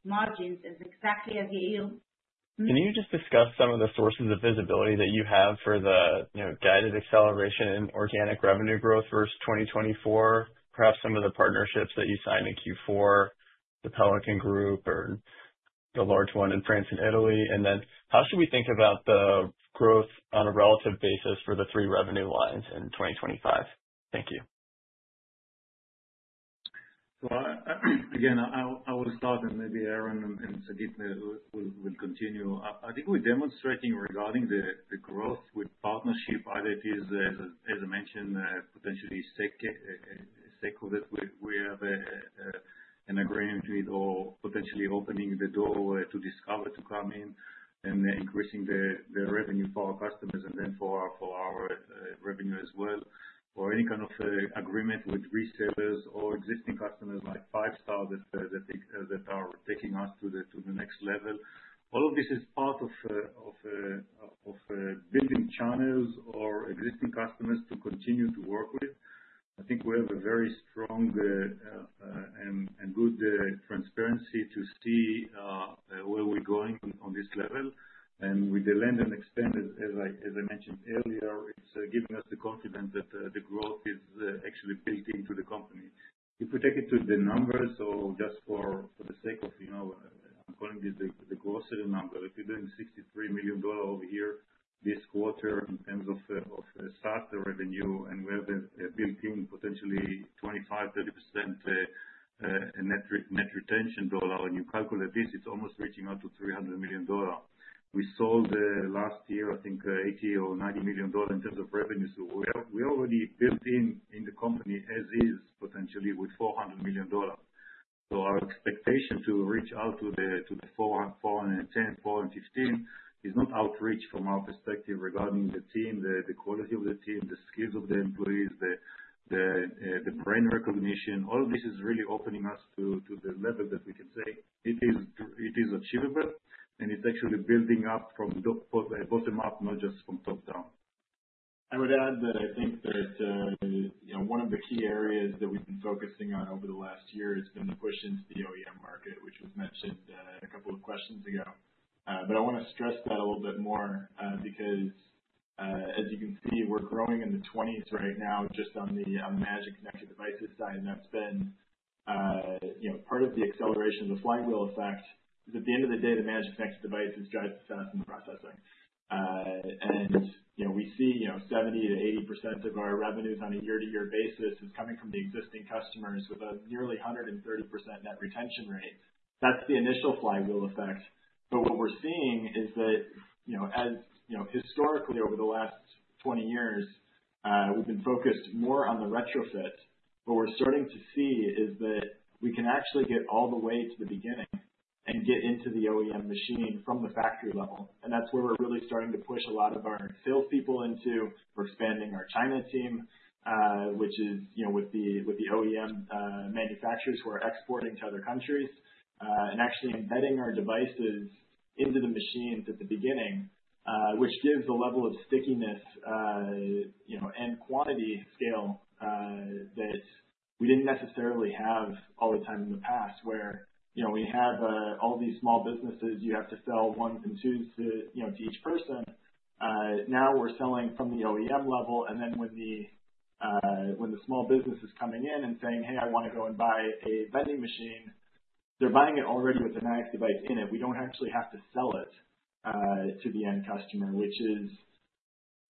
margins, exactly as Yael. Can you just discuss some of the sources of visibility that you have for the guided acceleration and organic revenue growth versus 2024, perhaps some of the partnerships that you signed in Q4, the Pelican Group or the Large Buying Group in France and Italy? How should we think about the growth on a relative basis for the three revenue lines in 2025? Thank you. I will start, and maybe Aaron and Sagit will continue. I think we're demonstrating regarding the growth with partnership, either it is, as I mentioned, potentially SECO with it. We have an agreement with, or potentially opening the door to Discover to come in and increasing the revenue for our customers and then for our revenue as well, or any kind of agreement with resellers or existing customers like Five Star that are taking us to the next level. All of this is part of building channels or existing customers to continue to work with. I think we have a very strong and good transparency to see where we're going on this level. With the land and expense, as I mentioned earlier, it's giving us the confidence that the growth is actually built into the company. If we take it to the numbers, or just for the sake of, I'm calling this the gross sale number, if you're doing $63 million over here this quarter in terms of SaaS revenue, and we have built in potentially 25%-30% net retention dollar, and you calculate this, it's almost reaching out to $300 million. We sold last year, I think, $80 million or $90 million in terms of revenue. We already built in the company as is potentially with $400 million. Our expectation to reach out to the 410-415 is not outreach from our perspective regarding the team, the quality of the team, the skills of the employees, the brand recognition. All of this is really opening us to the level that we can say it is achievable, and it's actually building up from bottom up, not just from top down. I would add that I think that one of the key areas that we've been focusing on over the last year has been the push into the OEM market, which was mentioned a couple of questions ago. I want to stress that a little bit more because, as you can see, we're growing in the 20s right now just on the magic connected devices side. That's been part of the acceleration of the flywheel effect because at the end of the day, the magic connected devices drive the SaaS and the processing. We see 70%-80% of our revenues on a year-to-year basis is coming from the existing customers with a nearly 130% net retention rate. That's the initial flywheel effect. What we're seeing is that, as historically over the last 20 years, we've been focused more on the retrofit, what we're starting to see is that we can actually get all the way to the beginning and get into the OEM machine from the factory level. That's where we're really starting to push a lot of our salespeople into. We're expanding our China team, which is with the OEM manufacturers who are exporting to other countries and actually embedding our devices into the machines at the beginning, which gives the level of stickiness and quantity scale that we didn't necessarily have all the time in the past where we have all these small businesses, you have to sell ones and twos to each person. Now we're selling from the OEM level. When the small business is coming in and saying, "Hey, I want to go and buy a vending machine," they're buying it already with the magic device in it. We don't actually have to sell it to the end customer, which is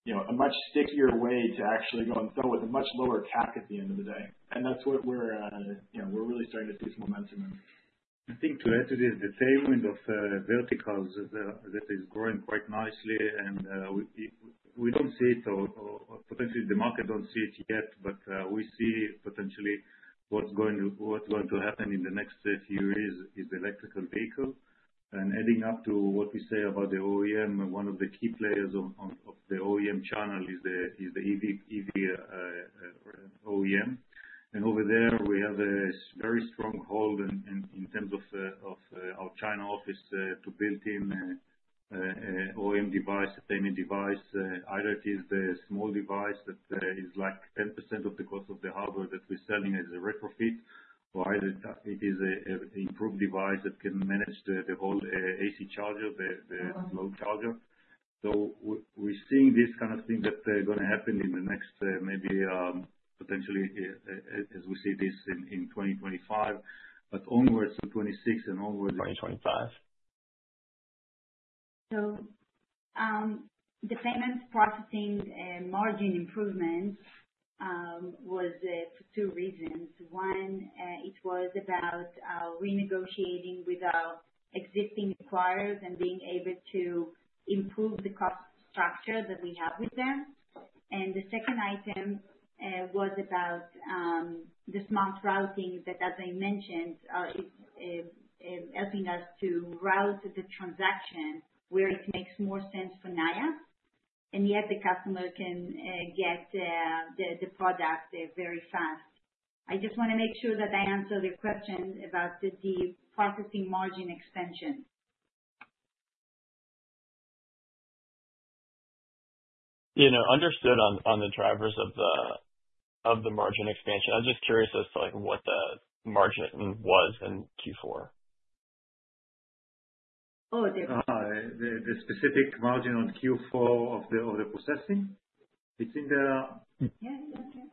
a much stickier way to actually go and sell with a much lower cap at the end of the day. That's what we're really starting to see some momentum in. I think today it is the same wind of verticals that is growing quite nicely. We do not see it, or potentially the market does not see it yet, but we see potentially what is going to happen in the next few years is electrical vehicle. Adding up to what we say about the OEM, one of the key players of the OEM channel is the EV OEM. Over there, we have a very strong hold in terms of our China office to build in OEM device, any device. Either it is the small device that is like 10% of the cost of the hardware that we are selling as a retrofit, or it is an improved device that can manage the whole AC charger, the load charger. We're seeing this kind of thing that's going to happen in the next maybe potentially as we see this in 2025, but onwards to 2026 and onward. 2025? The payment processing margin improvement was for two reasons. One, it was about renegotiating with our existing acquirers and being able to improve the cost structure that we have with them. The second item was about the smart routing that, as I mentioned, is helping us to route the transaction where it makes more sense for Nayax, and yet the customer can get the product very fast. I just want to make sure that I answered your question about the processing margin expansion. Understood on the drivers of the margin expansion. I'm just curious as to what the margin was in Q4. Oh, the specific margin on Q4 of the processing? It's in the. Yeah. Yeah.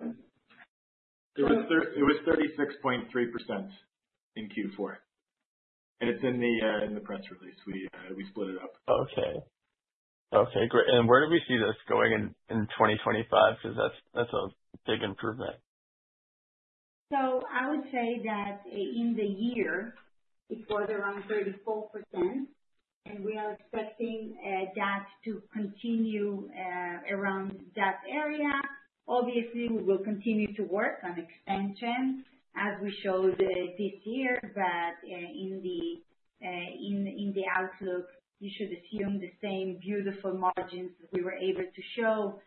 Yeah. It was 36.3% in Q4. It's in the press release. We split it up. Okay. Okay. Great. Where do we see this going in 2025? Because that's a big improvement. I would say that in the year, it was around 34%, and we are expecting that to continue around that area. Obviously, we will continue to work on expansion as we showed this year, but in the outlook, you should assume the same beautiful margins that we were able to show,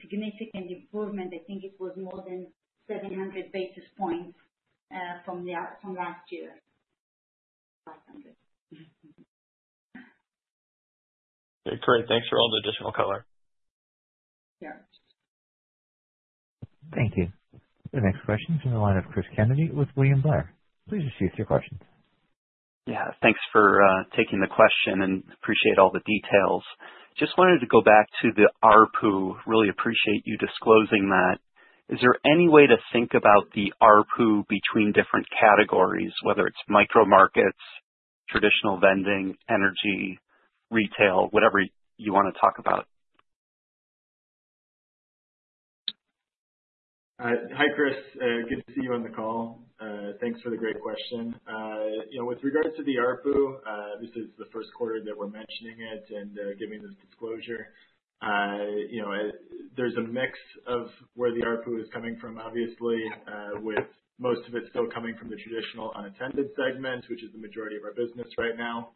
significant improvement. I think it was more than 700 basis points from last year. 500. Okay. Great. Thanks for all the additional color. Sure. Thank you. The next question is in the line of Cris Kennedy with William Blair. Please just use your question. Yeah. Thanks for taking the question and appreciate all the details. Just wanted to go back to the ARPU. Really appreciate you disclosing that. Is there any way to think about the ARPU between different categories, whether it's micro markets, traditional vending, energy, retail, whatever you want to talk about? Hi, Cris. Good to see you on the call. Thanks for the great question. With regards to the ARPU, this is the first quarter that we're mentioning it and giving this disclosure. There's a mix of where the ARPU is coming from, obviously, with most of it still coming from the traditional unattended segment, which is the majority of our business right now.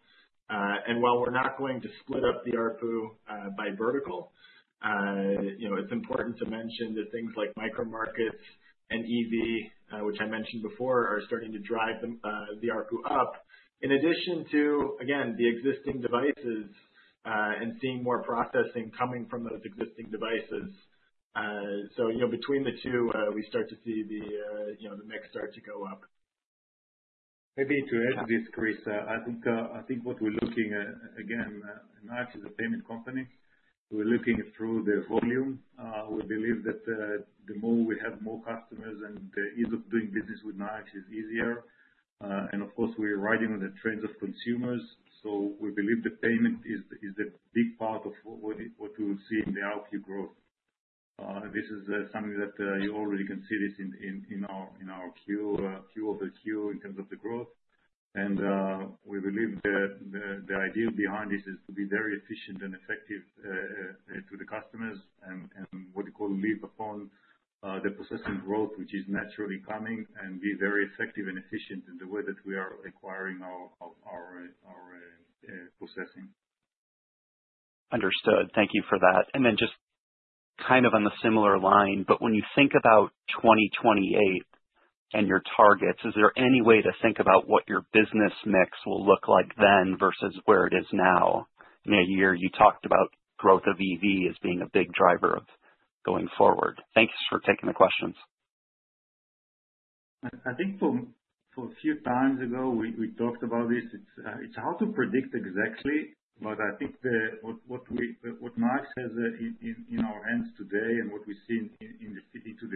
While we're not going to split up the ARPU by vertical, it's important to mention that things like micro markets and EV, which I mentioned before, are starting to drive the ARPU up, in addition to, again, the existing devices and seeing more processing coming from those existing devices. Between the two, we start to see the mix start to go up. Maybe to add to this, Chris, I think what we're looking at, again, Nayax is a payment company. We're looking through the volume. We believe that the more we have more customers, and the ease of doing business with Nayax is easier. Of course, we're riding on the trends of consumers. We believe the payment is a big part of what we will see in the ARPU growth. This is something that you already can see this in our queue, few of the queue in terms of the growth. We believe that the idea behind this is to be very efficient and effective to the customers and what we call live upon the processing growth, which is naturally coming, and be very effective and efficient in the way that we are acquiring our processing. Understood. Thank you for that. Just kind of on a similar line, but when you think about 2028 and your targets, is there any way to think about what your business mix will look like then versus where it is now? In a year, you talked about growth of EV as being a big driver of going forward. Thanks for taking the questions. I think for a few times ago, we talked about this. It's hard to predict exactly, but I think what Nayax has in our hands today and what we see into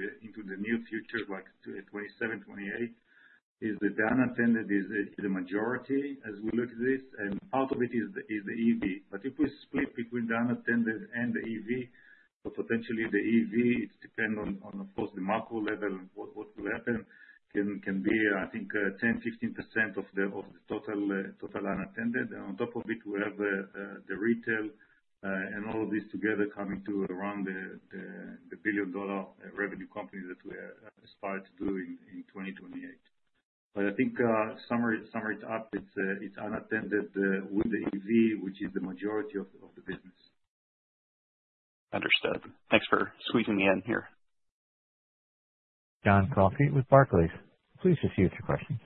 the near future, like 2027, 2028, is that the unattended is the majority as we look at this. Part of it is the EV. If we split between the unattended and the EV, potentially the EV, it depends on, of course, the macro level and what will happen, can be, I think, 10%-15% of the total unattended. On top of it, we have the retail and all of this together coming to around the billion-dollar revenue company that we aspire to do in 2028. I think, to sum it up, it's unattended with the EV, which is the majority of the business. Understood. Thanks for squeezing me in here. John Crockett with Barclays. Please just use your questions.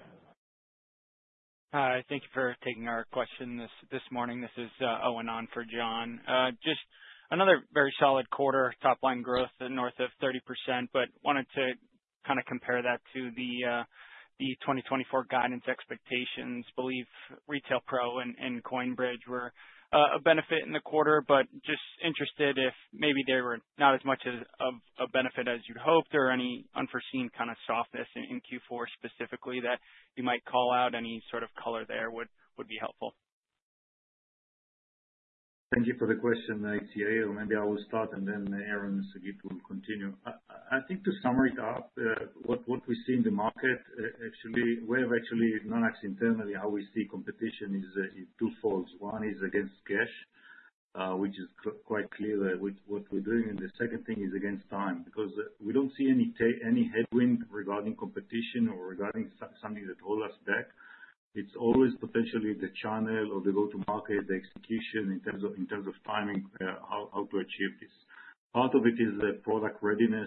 Hi. Thank you for taking our question this morning. This is Owen On for John. Just another very solid quarter, top-line growth north of 30%, but wanted to kind of compare that to the 2024 guidance expectations. Believe Retail Pro and Coinbridge were a benefit in the quarter, but just interested if maybe they were not as much of a benefit as you'd hoped or any unforeseen kind of softness in Q4 specifically that you might call out. Any sort of color there would be helpful. Thank you for the question, ATA. Maybe I will start, and then Aaron, Sagit will continue. I think to summary it up, what we see in the market, actually, we have actually non-action internally, how we see competition is in two folds. One is against cash, which is quite clear what we're doing. The second thing is against time because we do not see any headwind regarding competition or regarding something that holds us back. It is always potentially the channel or the go-to-market, the execution in terms of timing, how to achieve this. Part of it is the product readiness,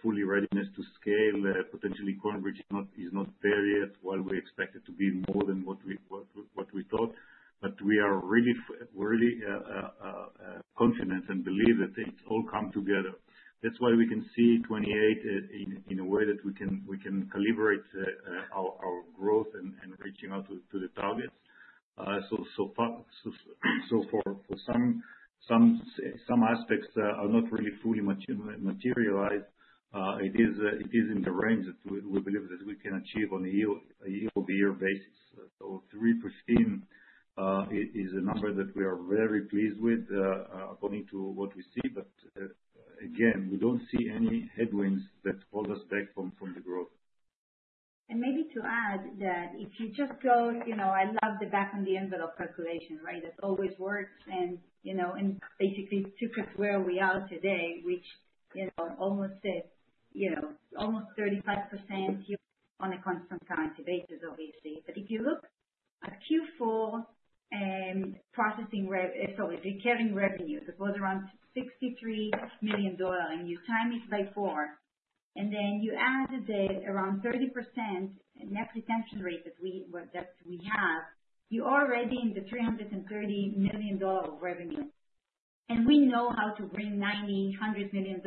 fully readiness to scale. Potentially, Coinbridge is not there yet while we expect it to be more than what we thought. We are really confident and believe that it is all come together. That is why we can see 2028 in a way that we can calibrate our growth and reaching out to the targets. For some aspects that are not really fully materialized, it is in the range that we believe that we can achieve on a year-over-year basis. 315 is a number that we are very pleased with according to what we see. Again, we do not see any headwinds that hold us back from the growth. Maybe to add that if you just go, "I love the back-of-the-envelope calculation," right? That always works. Basically took us where we are today, which almost said almost 35% on a constant current basis, obviously. If you look at Q4 processing revenue, sorry, recurring revenue, it was around $63 million, and you times it by four. Then you added around 30% net retention rate that we have, you are already in the $330 million of revenue. We know how to bring $900 million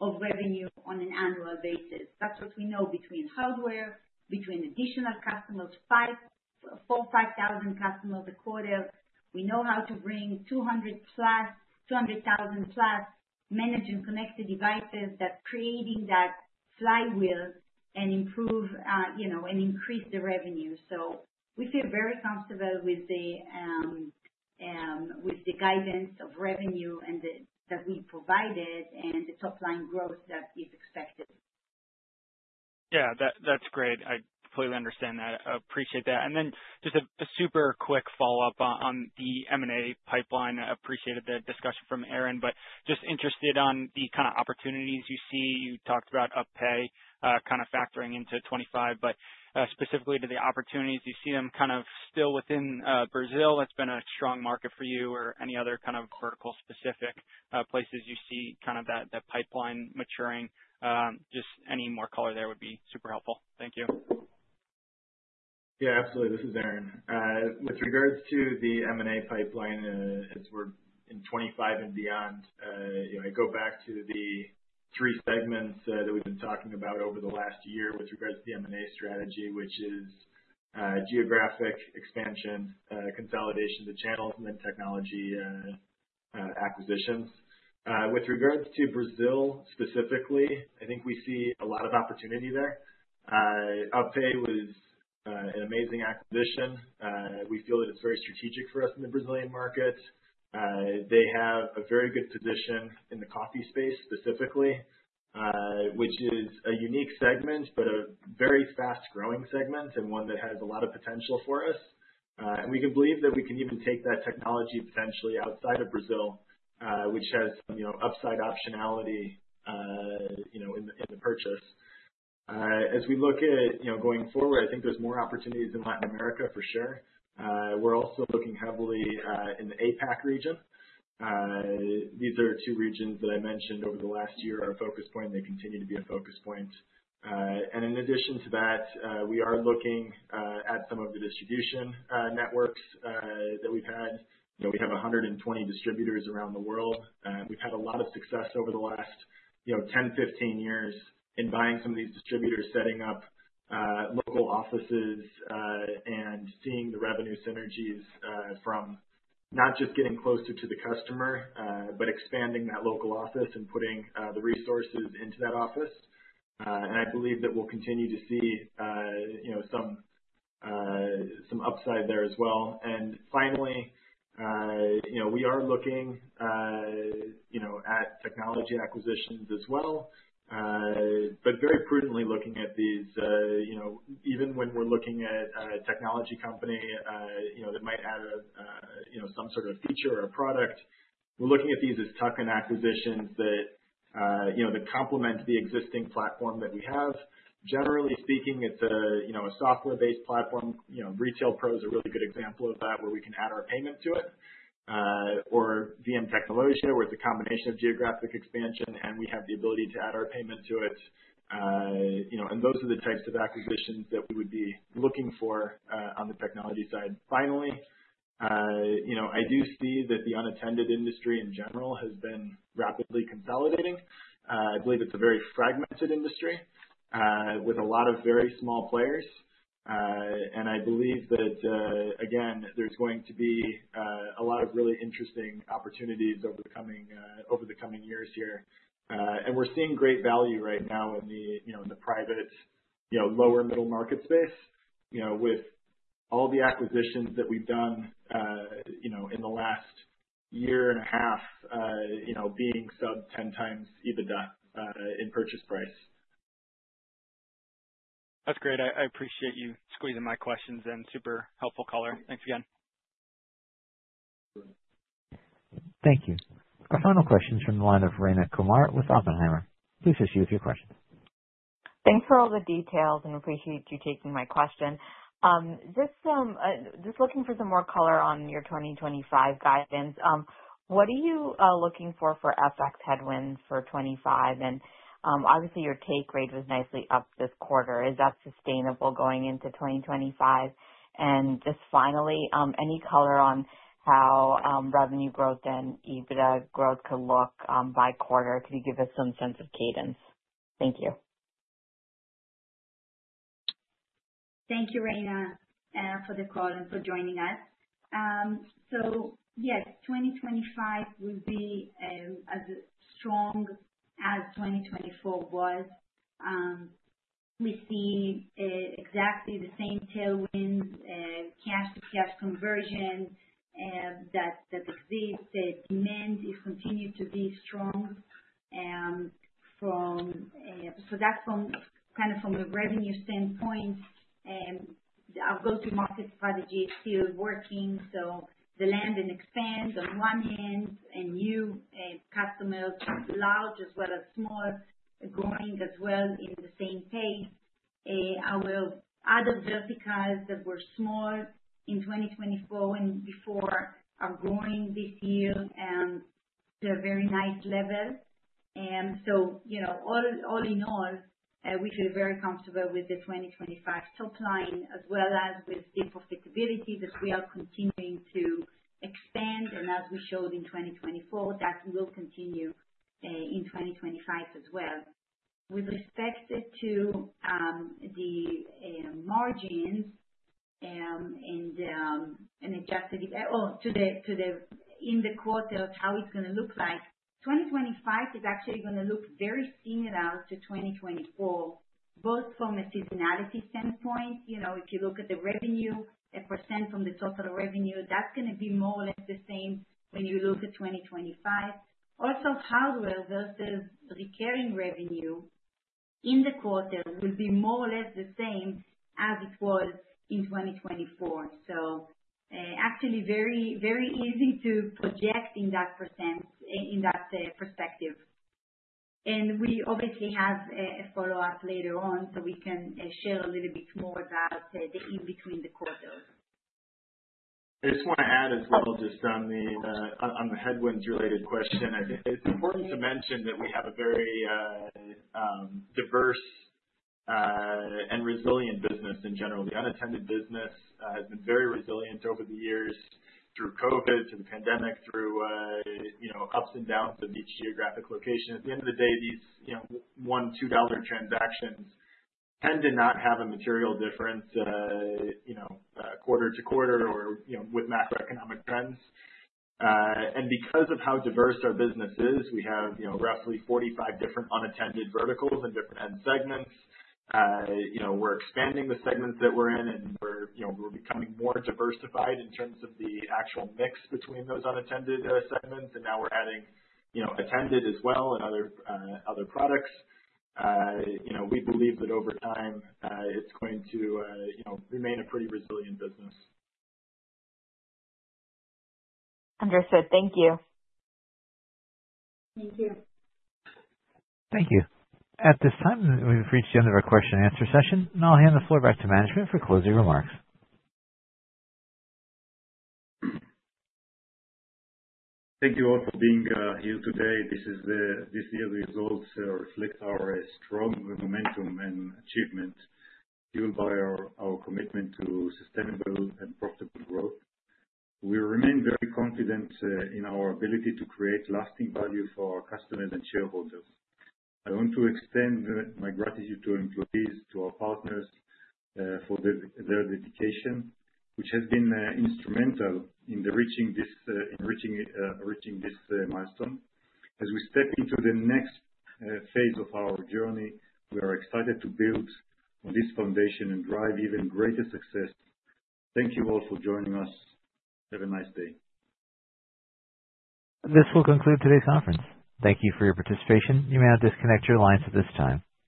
of revenue on an annual basis. That is what we know between hardware, between additional customers, 4,000-5,000 customers a quarter. We know how to bring 200,000-plus managed and connected devices that are creating that flywheel and improve and increase the revenue. We feel very comfortable with the guidance of revenue that we provided and the top-line growth that is expected. Yeah. That's great. I completely understand that. I appreciate that. Just a super quick follow-up on the M&A pipeline. I appreciated the discussion from Aaron, but just interested on the kind of opportunities you see. You talked about UpPay kind of factoring into 2025, but specifically to the opportunities, do you see them kind of still within Brazil? That's been a strong market for you or any other kind of vertical-specific places you see kind of that pipeline maturing? Just any more color there would be super helpful. Thank you. Yeah. Absolutely. This is Aaron.With regards to the M&A pipeline, as we're in 2025 and beyond, I go back to the three segments that we've been talking about over the last year with regards to the M&A strategy, which is geographic expansion, consolidation of the channels, and then technology acquisitions. With regards to Brazil specifically, I think we see a lot of opportunity there. UpPay was an amazing acquisition. We feel that it's very strategic for us in the Brazilian market. They have a very good position in the coffee space specifically, which is a unique segment, but a very fast-growing segment and one that has a lot of potential for us. We can believe that we can even take that technology potentially outside of Brazil, which has some upside optionality in the purchase. As we look at going forward, I think there's more opportunities in Latin America for sure. We're also looking heavily in the APAC region. These are two regions that I mentioned over the last year are a focus point, and they continue to be a focus point. In addition to that, we are looking at some of the distribution networks that we've had. We have 120 distributors around the world. We've had a lot of success over the last 10-15 years in buying some of these distributors, setting up local offices, and seeing the revenue synergies from not just getting closer to the customer, but expanding that local office and putting the resources into that office. I believe that we'll continue to see some upside there as well. Finally, we are looking at technology acquisitions as well, but very prudently looking at these. Even when we're looking at a technology company that might add some sort of feature or a product, we're looking at these as token acquisitions that complement the existing platform that we have. Generally speaking, it's a software-based platform. Retail Pro is a really good example of that where we can add our payment to it, or BM Technologia, where it's a combination of geographic expansion, and we have the ability to add our payment to it. Those are the types of acquisitions that we would be looking for on the technology side. Finally, I do see that the unattended industry in general has been rapidly consolidating. I believe it's a very fragmented industry with a lot of very small players. I believe that, again, there's going to be a lot of really interesting opportunities over the coming years here. We're seeing great value right now in the private lower-middle market space with all the acquisitions that we've done in the last year and a half being sub-10x EBITDA in purchase price. That's great. I appreciate you squeezing my questions in. Super helpful color. Thanks again. Thank you. Our final question is from the line of Rayna Kumar with Oppenheimer. Please just use your question. Thanks for all the details and appreciate you taking my question. Just looking for some more color on your 2025 guidance. What are you looking for for FX headwinds for 2025? Obviously, your take rate was nicely up this quarter. Is that sustainable going into 2025? Finally, any color on how revenue growth and EBITDA growth could look by quarter? Can you give us some sense of cadence? Thank you. Thank you, Reina, for the call and for joining us. Yes, 2025 will be as strong as 2024 was. We see exactly the same tailwinds, cash-to-cash conversion that exists. Demand is continuing to be strong. That is kind of from a revenue standpoint. Our go-to-market strategy is still working. The land and expand on one hand, and new customers, large as well as small, growing as well in the same pace. Our other verticals that were small in 2024 and before are growing this year to a very nice level. All in all, we feel very comfortable with the 2025 top line as well as with the profitability that we are continuing to expand. As we showed in 2024, that will continue in 2025 as well. With respect to the margins and adjusted to the in the quarter of how it's going to look like, 2025 is actually going to look very similar to 2024, both from a seasonality standpoint. If you look at the revenue, a percent from the total revenue, that's going to be more or less the same when you look at 2025. Also, hardware versus recurring revenue in the quarter will be more or less the same as it was in 2024. Actually, very easy to project in that perspective. We obviously have a follow-up later on so we can share a little bit more about the in-between the quarters. I just want to add as well just on the headwinds-related question. It's important to mention that we have a very diverse and resilient business in general. The unattended business has been very resilient over the years through COVID, through the pandemic, through ups and downs of each geographic location. At the end of the day, these one-dollar transactions tend to not have a material difference quarter to quarter or with macroeconomic trends. Because of how diverse our business is, we have roughly 45 different unattended verticals and different end segments. We're expanding the segments that we're in, and we're becoming more diversified in terms of the actual mix between those unattended segments. Now we're adding attended as well and other products. We believe that over time, it's going to remain a pretty resilient business. Understood. Thank you. Thank you. Thank you. At this time, we've reached the end of our question-and-answer session, and I'll hand the floor back to management for closing remarks. Thank you all for being here today. This year's results reflect our strong momentum and achievement fueled by our commitment to sustainable and profitable growth. We remain very confident in our ability to create lasting value for our customers and shareholders. I want to extend my gratitude to our employees, to our partners for their dedication, which has been instrumental in reaching this milestone. As we step into the next phase of our journey, we are excited to build on this foundation and drive even greater success. Thank you all for joining us. Have a nice day. This will conclude today's conference. Thank you for your participation. You may now disconnect your lines at this time.